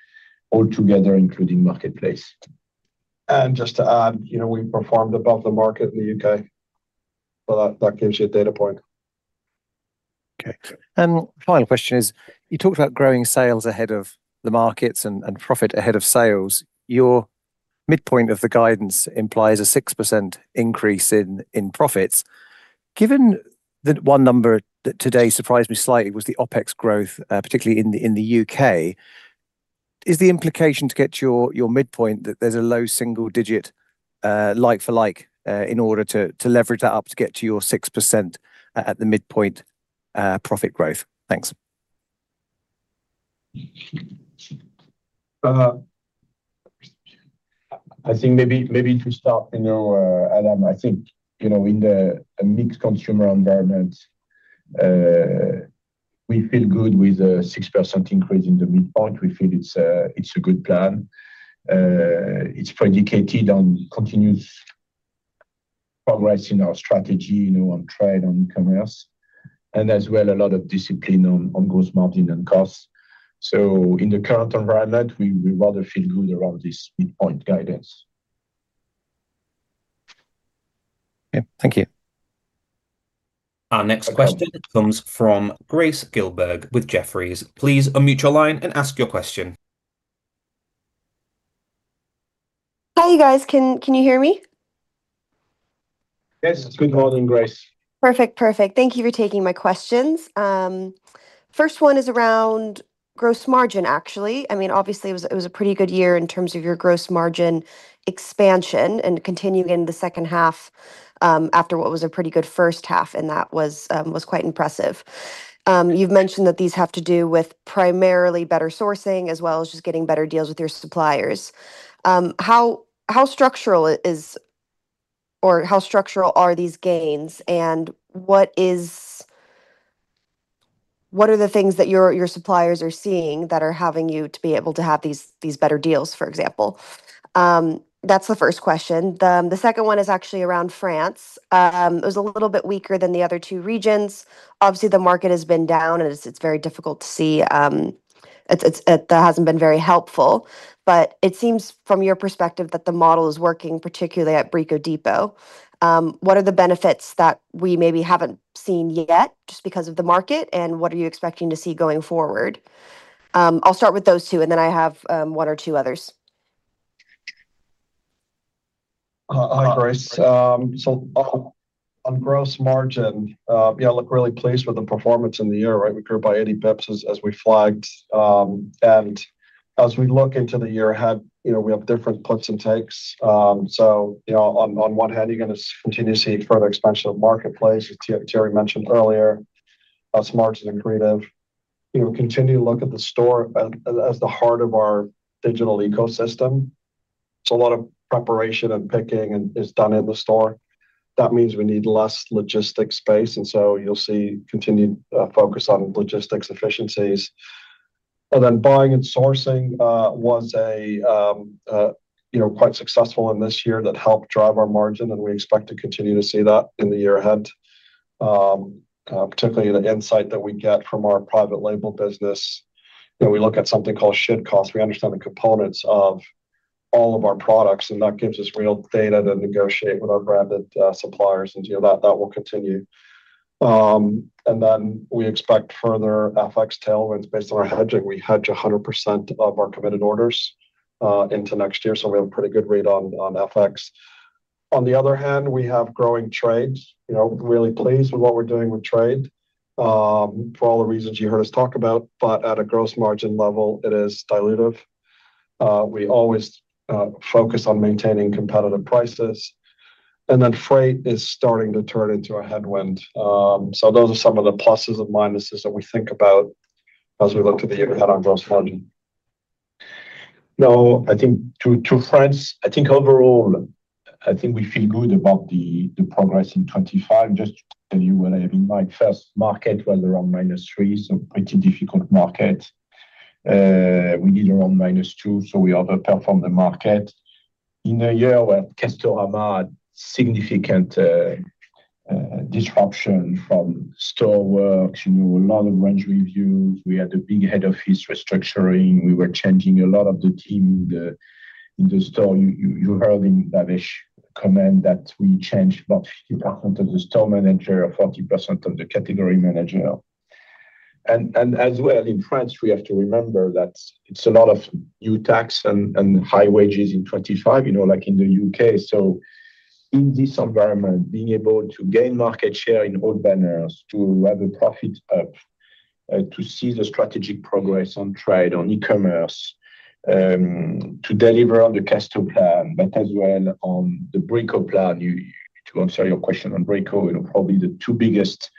altogether, including marketplace. Just to add, we performed above the market in the U.K., so that gives you a data point. Okay. Final question is, you talked about growing sales ahead of the markets and profit ahead of sales. Your midpoint of the guidance implies a 6% increase in profits. Given that one number that today surprised me slightly was the OpEx growth, particularly in the U.K., is the implication to get your midpoint that there's a low single-digit like-for-like in order to leverage that up to get to your 6% at the midpoint profit growth? Thanks. I think maybe to start, Adam, I think, in a mixed consumer environment, we feel good with a 6% increase in the midpoint. We feel it's a good plan. It's predicated on continuous progress in our strategy on trade, on e-commerce, and as well a lot of discipline on gross margin and costs. In the current environment, we rather feel good around this midpoint guidance. Yeah. Thank you. Our next question comes from Grace Gilberg with Jefferies. Please unmute your line and ask your question. Hi, you guys. Can you hear me? Yes. Good morning, Grace. Perfect. Thank you for taking my questions. First one is around gross margin, actually. I mean, obviously, it was a pretty good year in terms of your gross margin expansion and continuing in the second half, after what was a pretty good first half, and that was quite impressive. You've mentioned that these have to do with primarily better sourcing as well as just getting better deals with your suppliers. How structural are these gains, and what are the things that your suppliers are seeing that are having you to be able to have these better deals, for example? That's the first question. The second one is actually around France. It was a little bit weaker than the other two regions. Obviously, the market has been down, and it's very difficult to see. That hasn't been very helpful. It seems from your perspective that the model is working, particularly at Brico Dépôt. What are the benefits that we maybe haven't seen yet just because of the market, and what are you expecting to see going forward? I'll start with those two, and then I have one or two others. Hi, Grace. On gross margin, we're really pleased with the performance in the year, right? We grew by 80 basis points as we flagged. As we look into the year ahead, we have different puts and takes. On one hand, you're gonna continue to see further expansion of marketplace, as Thierry mentioned earlier, as margin-accretive. We continue to look at the store as the heart of our digital ecosystem. A lot of preparation and picking and packing is done in the store. That means we need less logistics space, and so you'll see continued focus on logistics efficiencies. Buying and sourcing was quite successful in this year that helped drive our margin, and we expect to continue to see that in the year ahead. Particularly the insight that we get from our private label business. We look at something called should cost. We understand the components of all of our products, and that gives us real data to negotiate with our branded suppliers, and that will continue. We expect further FX tailwinds based on our hedging. We hedge 100% of our committed orders into next year, so we have a pretty good read on FX. On the other hand, we have growing trades. Really pleased with what we're doing with trade for all the reasons you heard us talk about. At a gross margin level, it is dilutive. We always focus on maintaining competitive prices. Then freight is starting to turn into a headwind. Those are some of the pluses and minuses that we think about as we look to the year ahead on gross margin. No, I think to France, I think overall, I think we feel good about the progress in 2025. Just to tell you where I have been, my first market was around -3%, so pretty difficult market. We need around -2%, so we overperformed the market. In a year where Castorama had significant disruption from store works, a lot of range reviews. We had big headwinds from restructuring. We were changing a lot of the team in the store. You heard in Bhavesh's comment that we changed about 50% of the store managers or 40% of the category managers. As well in France, we have to remember that it's a lot of new taxes and high wages in 2025 like in the U.K. In this environment, being able to gain market share in all banners, to have a profit up, to see the strategic progress on trade, on e-commerce, to deliver on the Castorama plan, but as well on the Brico Dépôt plan. To answer your question on Brico Dépôt, probably the two biggest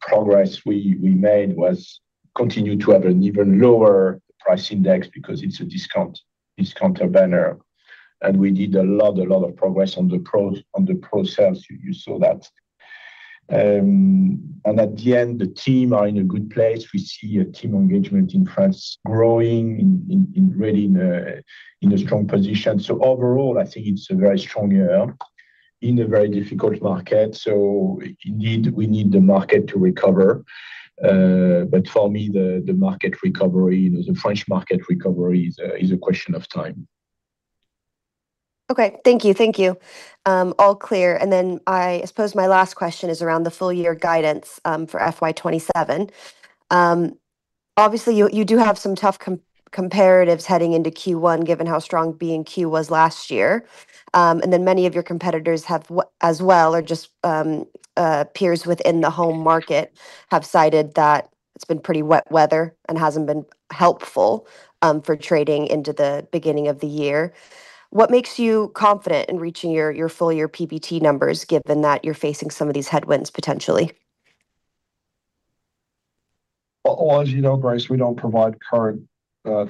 progress we made was continue to have an even lower price index because it's a discount discounter banner. We did a lot of progress on the process. You saw that. At the end, the team are in a good place. We see a team engagement in France growing in really in a strong position. Overall, I think it's a very strong year in a very difficult market. Indeed, we need the market to recover. For me, the market recovery, the French market recovery is a question of time. Okay. Thank you. All clear. I suppose my last question is around the full year guidance for FY 2027. Obviously, you do have some tough comparatives heading into Q1, given how strong B&Q was last year. Many of your competitors have peers within the home market have cited that it's been pretty wet weather and hasn't been helpful for trading into the beginning of the year. What makes you confident in reaching your full year PBT numbers, given that you're facing some of these headwinds potentially? Well, Grace, we don't provide current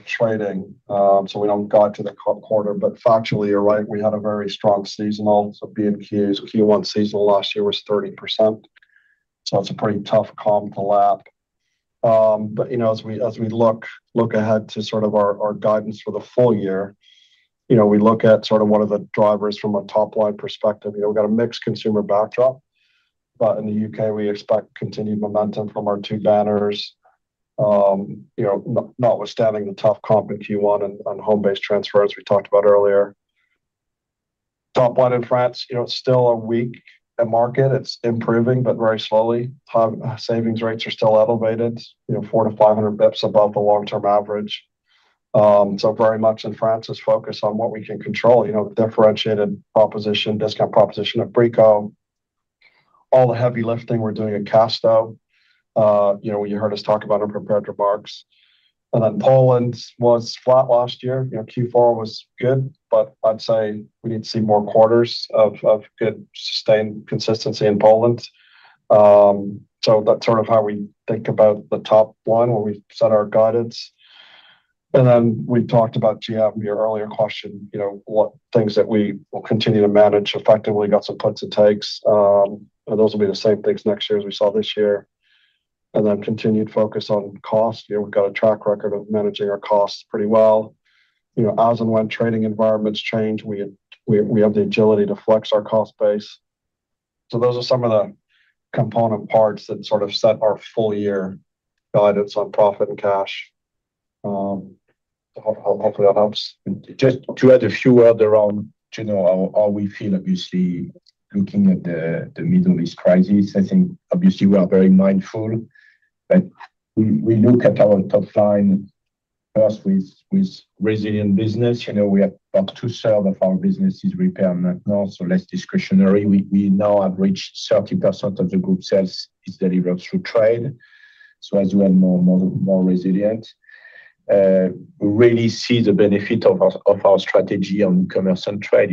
trading, so we don't guide to the quarter. Factually you're right, we had a very strong seasonal. B&Q's Q1 seasonal last year was 30%, so it's a pretty tough comp to lap. As we look ahead to sort of our guidance for the full year, we look at sort of what are the drivers from a top line perspective. We've got a mixed consumer backdrop, but in the U.K. we expect continued momentum from our two banners not withstanding the tough comp in Q1 on Homebase transfers we talked about earlier. Top line in France it's still a weak market. It's improving, but very slowly. Savings rates are still elevated, 400-500 basis points above the long-term average. Very much in France is focused on what we can control, differentiated proposition, discount proposition at Brico Dépôt. All the heavy lifting we're doing at Castorama, you heard us talk about in prepared remarks. Poland was flat last year. Q4 was good, but I'd say we need to see more quarters of good sustained consistency in Poland. That's sort of how we think about the top line when we set our guidance. We talked about your earlier question, what things that we will continue to manage effectively. Got some puts and takes. Those will be the same things next year as we saw this year. Continued focus on cost. We've got a track record of managing our costs pretty well. As and when trading environments change, we have the agility to flex our cost base. Those are some of the component parts that sort of set our full year guidance on profit and cash. Hopefully that helps. Just to add a few other around how we feel, obviously, looking at the Middle East crisis. I think obviously we are very mindful, but we look at our top line first with resilient business.. We are about to serve if our business is repair and maintenance, so less discretionary. We now have reached 30% of the group sales is delivered through trade, so as we are more resilient. We really see the benefit of our strategy on commerce and trade.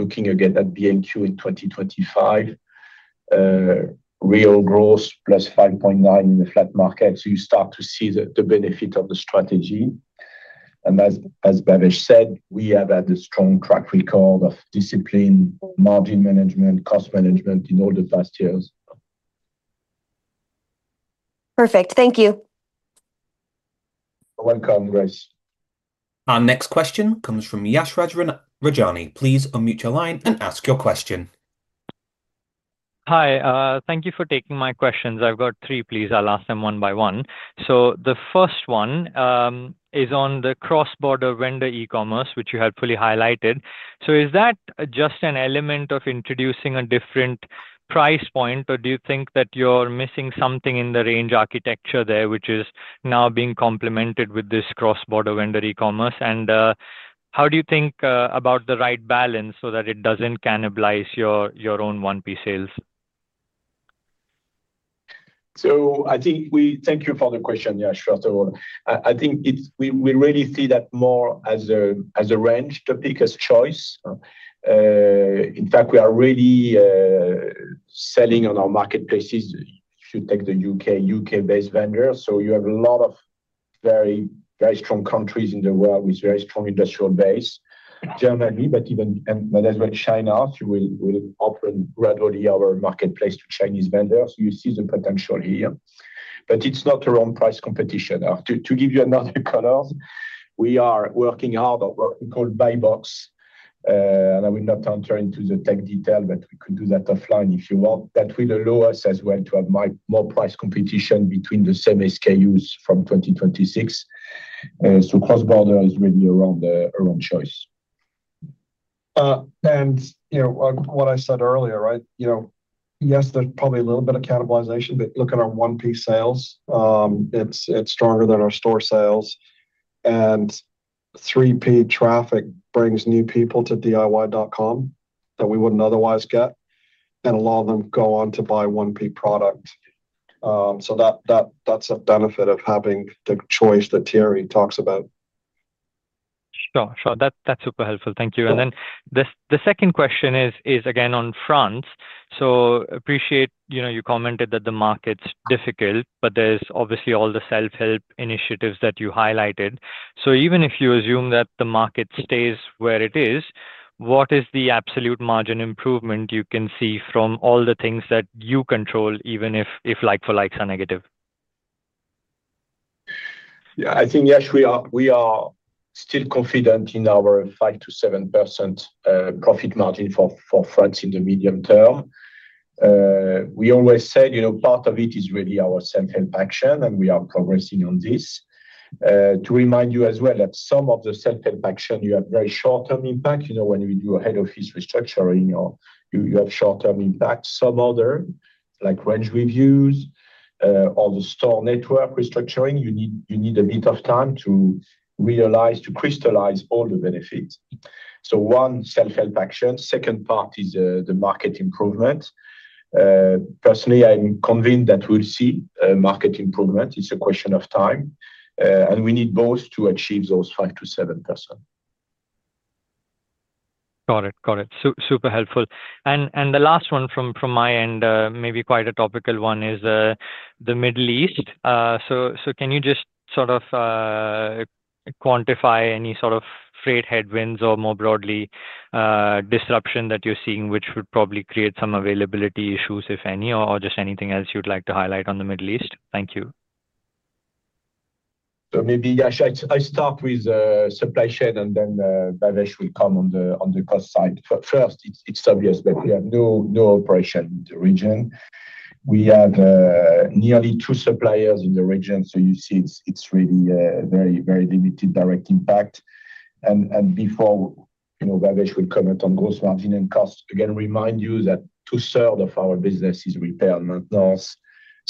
Looking again at B&Q in 2025, real growth +5.9% in the flat market. So you start to see the benefit of the strategy. As Bhavesh said, we have had a strong track record of discipline, margin management, cost management in all the past years. Perfect. Thank you. You're welcome, Grace. Our next question comes from Yashraj Rajani. Please unmute your line and ask your question. Hi, thank you for taking my questions. I've got three, please. I'll ask them one by one. The first one is on the cross-border vendor e-commerce, which you had fully highlighted. Is that just an element of introducing a different price point, or do you think that you're missing something in the range architecture there, which is now being complemented with this cross-border vendor e-commerce? And how do you think about the right balance so that it doesn't cannibalize your own 1P sales? Thank you for the question, Yash, first of all. I think it's we really see that more as a range topic, as choice. In fact, we are really selling on our marketplaces. If you take the U.K.-based vendors, so you have a lot of very strong countries in the world with very strong industrial base. Germany, but even and as well China, we'll open gradually our marketplace to Chinese vendors. You see the potential here. But it's not around price competition. To give you more color, we are working on what we call buy box. And I will not enter into the tech detail, but we could do that offline if you want. That will allow us as well to have more price competition between the same SKUs from 2026. Cross-border is really around choice. On what I said earlier, right? Yes, there's probably a little bit of cannibalization, but look at our 1P sales. It's stronger than our store sales. 3P traffic brings new people to diy.com that we wouldn't otherwise get and allow them go on to buy 1P product. That's a benefit of having the choice that Thierry talks about. Sure. That, that's super helpful. Thank you. The second question is again on France. I appreciate you commented that the market's difficult, but there's obviously all the self-help initiatives that you highlighted. Even if you assume that the market stays where it is, what is the absolute margin improvement you can see from all the things that you control, even if like-for-like are negative? Yeah. I think, Yashraj, we are still confident in our 5%-7% profit margin for France in the medium term. We always said part of it is really our self-help action, and we are progressing on this. To remind you as well that some of the self-help action, you have very short-term impact. When you do a head office restructuring or you have short-term impact. Some other, like range reviews or the store network restructuring, you need a bit of time to realize, to crystallize all the benefits. One, self-help action. Second part is the market improvement. Personally, I'm convinced that we'll see a market improvement. It's a question of time. We need both to achieve those 5%-7%. Got it. Super helpful. The last one from my end, maybe quite a topical one is the Middle East. Can you just sort of quantify any sort of freight headwinds or more broadly, disruption that you're seeing, which would probably create some availability issues, if any, or just anything else you'd like to highlight on the Middle East? Thank you. Maybe I should start with supply chain and then Bhavesh will come on the cost side. First, it's obvious that we have no operation in the region. We have nearly two suppliers in the region, so you see it's really very limited direct impact. Before Bhavesh will comment on gross margin and costs. Again, remind you that two-thirds of our business is repair and maintenance,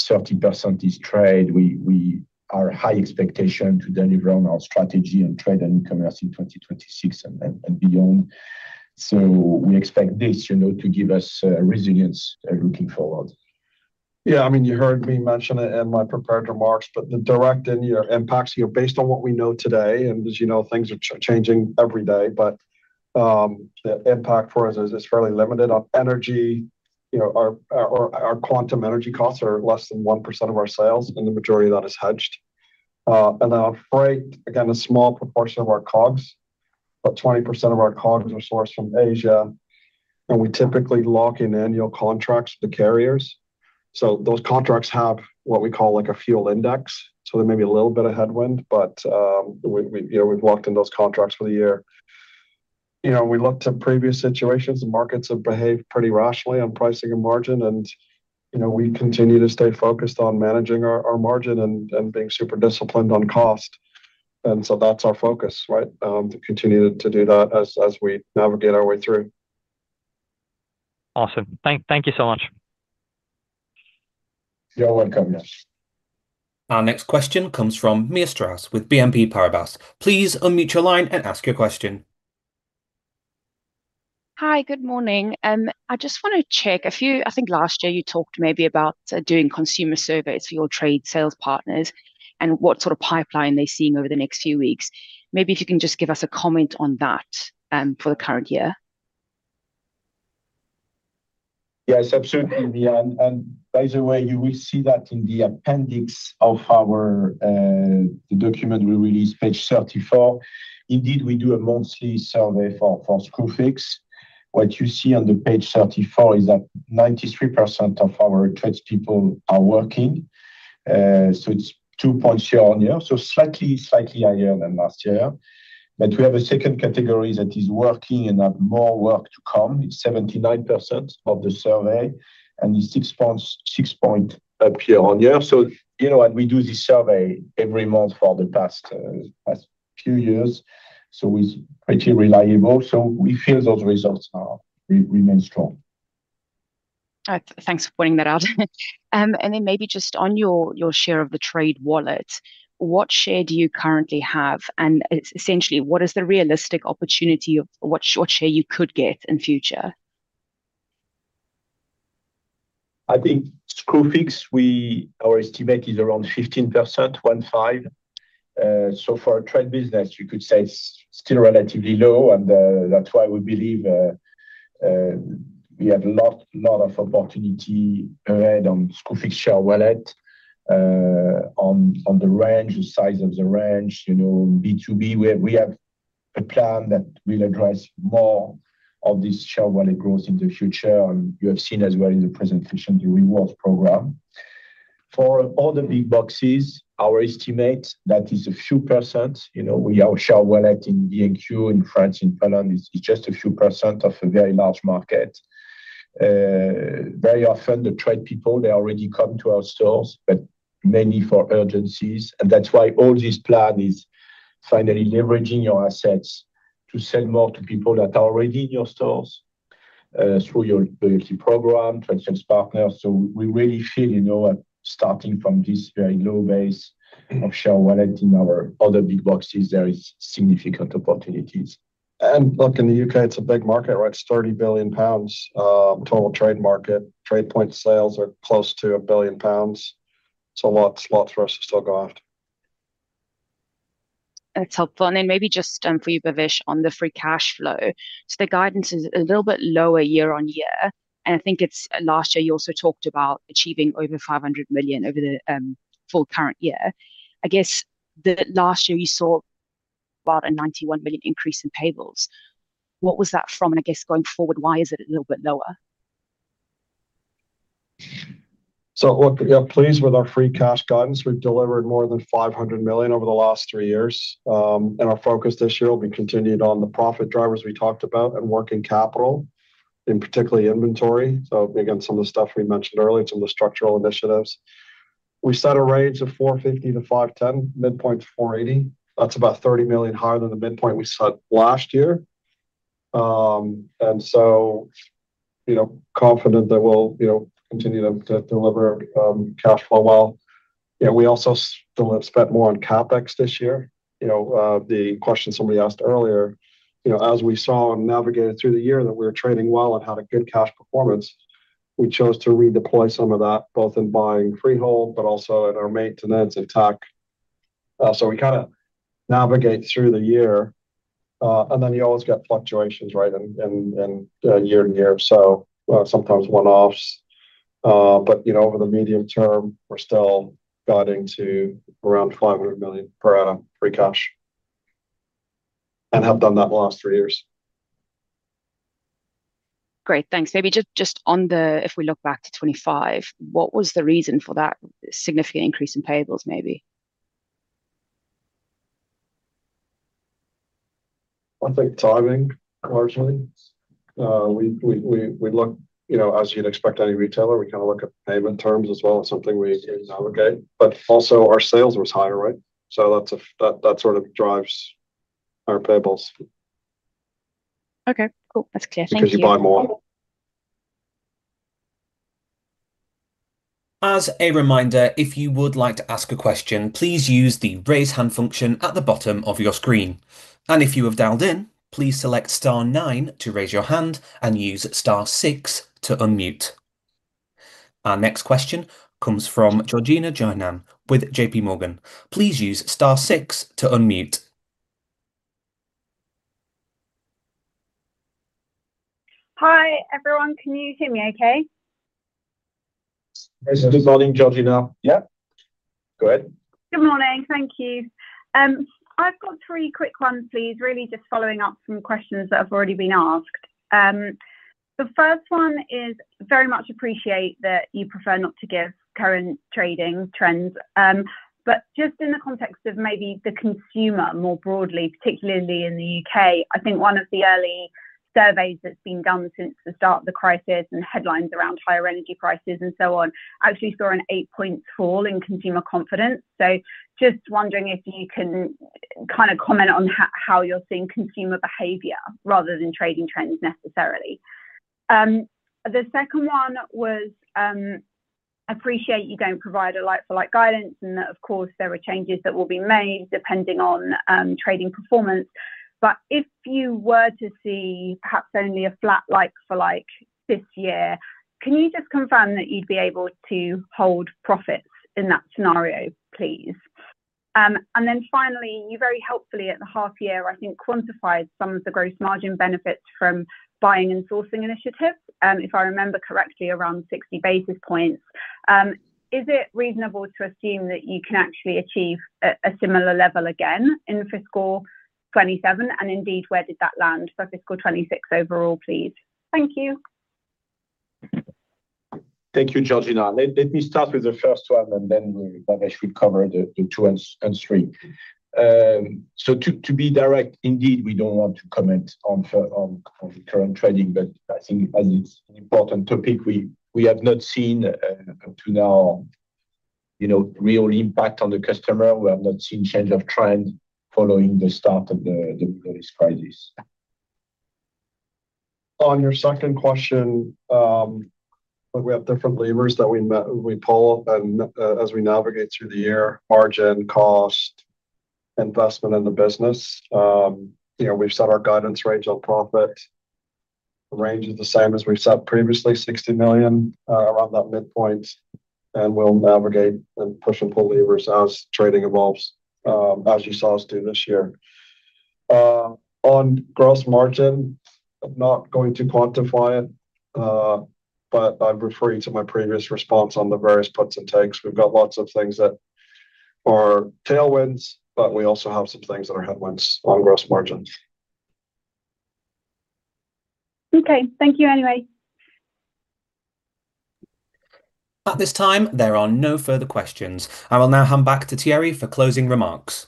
30% is trade. We are high expectations to deliver on our strategy and trade and commerce in 2026 and beyond. We expect this to give us resilience looking forward. Yeah, I mean, you heard me mention it in my prepared remarks, but the direct and, impacts based on what we know today, and as things are changing every day. The impact for us is fairly limited. On energy, our quantum energy costs are less than 1% of our sales, and the majority of that is hedged. And our freight, again, a small proportion of our COGS, but 20% of our COGS are sourced from Asia, and we typically lock in annual contracts with the carriers. Those contracts have what we call, like, a fuel index, so there may be a little bit of headwind, but we've locked in those contracts for the year. We look to previous situations, the markets have behaved pretty rationally on pricing and margin and we continue to stay focused on managing our margin and being super disciplined on cost. That's our focus, right? To continue to do that as we navigate our way through. Awesome. Thank you so much. You're welcome, Yash. Our next question comes from Mia Strauss with BNP Paribas. Please unmute your line and ask your question. Hi, good morning. I just wanna check. I think last year you talked maybe about doing consumer surveys for your trade sales partners and what sort of pipeline they're seeing over the next few weeks. Maybe if you can just give us a comment on that for the current year. Yes, absolutely, Mia. By the way, you will see that in the appendix of our the document we released, page 34. Indeed, we do a monthly survey for Screwfix. What you see on the page 34 is that 93% of our trade people are working. It's 2 point share year-on-year. Slightly higher than last year. We have a second category that is working and have more work to come. It's 79% of the survey, and it's 6 points up year-on-year. We do this survey every month for the past few years, so it's pretty reliable. We feel those results remain strong. All right. Thanks for pointing that out. Maybe just on your share of the trade wallet, what share do you currently have? Essentially, what is the realistic opportunity of what share you could get in future? I think Screwfix, our estimate is around 15%. So for our trade business, you could say it's still relatively low, and that's why we believe we have a lot of opportunity ahead on Screwfix share wallet, on the range, the size of the range. B2B, we have a plan that will address more of this share wallet growth in the future. You have seen as well in the presentation, the rewards program. For all the big boxes, our estimate, that is a few percent. We have a share wallet in B&Q, in France, in Poland, it's just a few percent of a very large market. Very often the trade people, they already come to our stores, but mainly for emergencies. That's why all this plan is finally leveraging your assets to sell more to people that are already in your stores, through your loyalty program, trade sales partners. We really feel that starting from this very low base of share wallet in our other big boxes, there is significant opportunities. Look, in the U.K., it's a big market, right? It's 30 billion pounds, total trade market. TradePoint sales are close to 1 billion pounds. It's a lot for us to still go after. That's helpful. Maybe just for you, Bhavesh, on the free cash flow. The guidance is a little bit lower year-over-year, and I think it's last year you also talked about achieving over 500 million over the full current year. I guess the last year you saw about a 91 million increase in payables. What was that from? I guess going forward, why is it a little bit lower? Look, yeah, pleased with our free cash guidance. We've delivered more than 500 million over the last three years. Our focus this year will be continued on the profit drivers we talked about and working capital, and particularly inventory. Again, some of the stuff we mentioned earlier, some of the structural initiatives. We set a range of 450 million-510 million, midpoint 480 million. That's about 30 million higher than the midpoint we set last year. Confident that we'll continue to deliver cash flow well. Yeah, we also spent more on CapEx this year. The question somebody asked earlier as we saw and navigated through the year that we were trading well and had a good cash performance, we chose to redeploy some of that, both in buying freehold, but also in our maintenance and tech. We kind of navigate through the year, and then you always get fluctuations, right, and year to year, so sometimes one-offs. Over the medium term we're still guiding to around 500 million per annum free cash and have done that the last three years. Great. Thanks. Maybe just on the if we look back to 2025, what was the reason for that significant increase in payables maybe? I think timing largely. We look as you'd expect any retailer, we kind of look at payment terms as well as something we navigate, but also our sales was higher, right? That's a that sort of drives our payables. Okay, cool. That's clear. Thank you. Because you buy more. As a reminder, if you would like to ask a question, please use the Raise Hand function at the bottom of your screen. If you have dialed in, please select star nine to raise your hand and use star six to unmute. Our next question comes from Georgina Johanan with JPMorgan. Please use star six to unmute. Hi, everyone. Can you hear me okay? Yes. Good morning, Georgina. Yeah. Go ahead. Good morning. Thank you. I've got three quick ones, please. Really just following up some questions that have already been asked. The first one is I very much appreciate that you prefer not to give current trading trends, but just in the context of maybe the consumer more broadly, particularly in the U.K., I think one of the early surveys that's been done since the start of the crisis and headlines around higher energy prices and so on actually saw an 8-point fall in consumer confidence. So just wondering if you can kind of comment on how you're seeing consumer behavior rather than trading trends necessarily. The second one was, I appreciate you don't provide a like-for-like guidance and that of course there are changes that will be made depending on, trading performance. If you were to see perhaps only a flat like-for-like this year, can you just confirm that you'd be able to hold profits in that scenario, please? And then finally, you very helpfully at the half year, I think quantified some of the gross margin benefits from buying and sourcing initiatives, if I remember correctly, around 60 basis points. Is it reasonable to assume that you can actually achieve a similar level again in fiscal 2027? And indeed, where did that land for fiscal 2026 overall, please? Thank you. Thank you, Georgina. Let me start with the first one, and then Bhavesh will cover the two and three. So to be direct, indeed, we don't want to comment on the current trading, but I think as it's an important topic, we have not seen up to now real impact on the customer. We have not seen change of trend following the start of this crisis. On your second question, look, we have different levers that we pull as we navigate through the year, margin, cost, investment in the business. We've set our guidance range on profit. The range is the same as we set previously, 60 million around that midpoint, and we'll navigate and push and pull levers as trading evolves, as you saw us do this year. On gross margin, I'm not going to quantify it, but I'm referring to my previous response on the various puts and takes. We've got lots of things that are tailwinds, but we also have some things that are headwinds on gross margins. Okay. Thank you anyway. At this time, there are no further questions. I will now hand back to Thierry for closing remarks.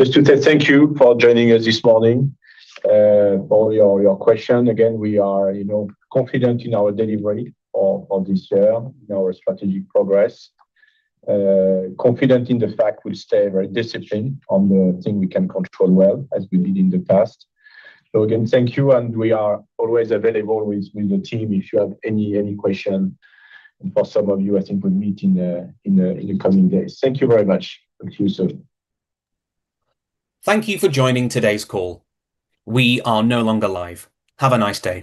Just to thank you for joining us this morning. For your question, again, we are confident in our delivery of this year and our strategic progress. Confident in the fact we stay very disciplined on the thing we can control well as we did in the past. Again, thank you, and we are always available with the team if you have any question. For some of you, I think we'll meet in the coming days. Thank you very much. Thank you, sir. Thank you for joining today's call. We are no longer live. Have a nice day.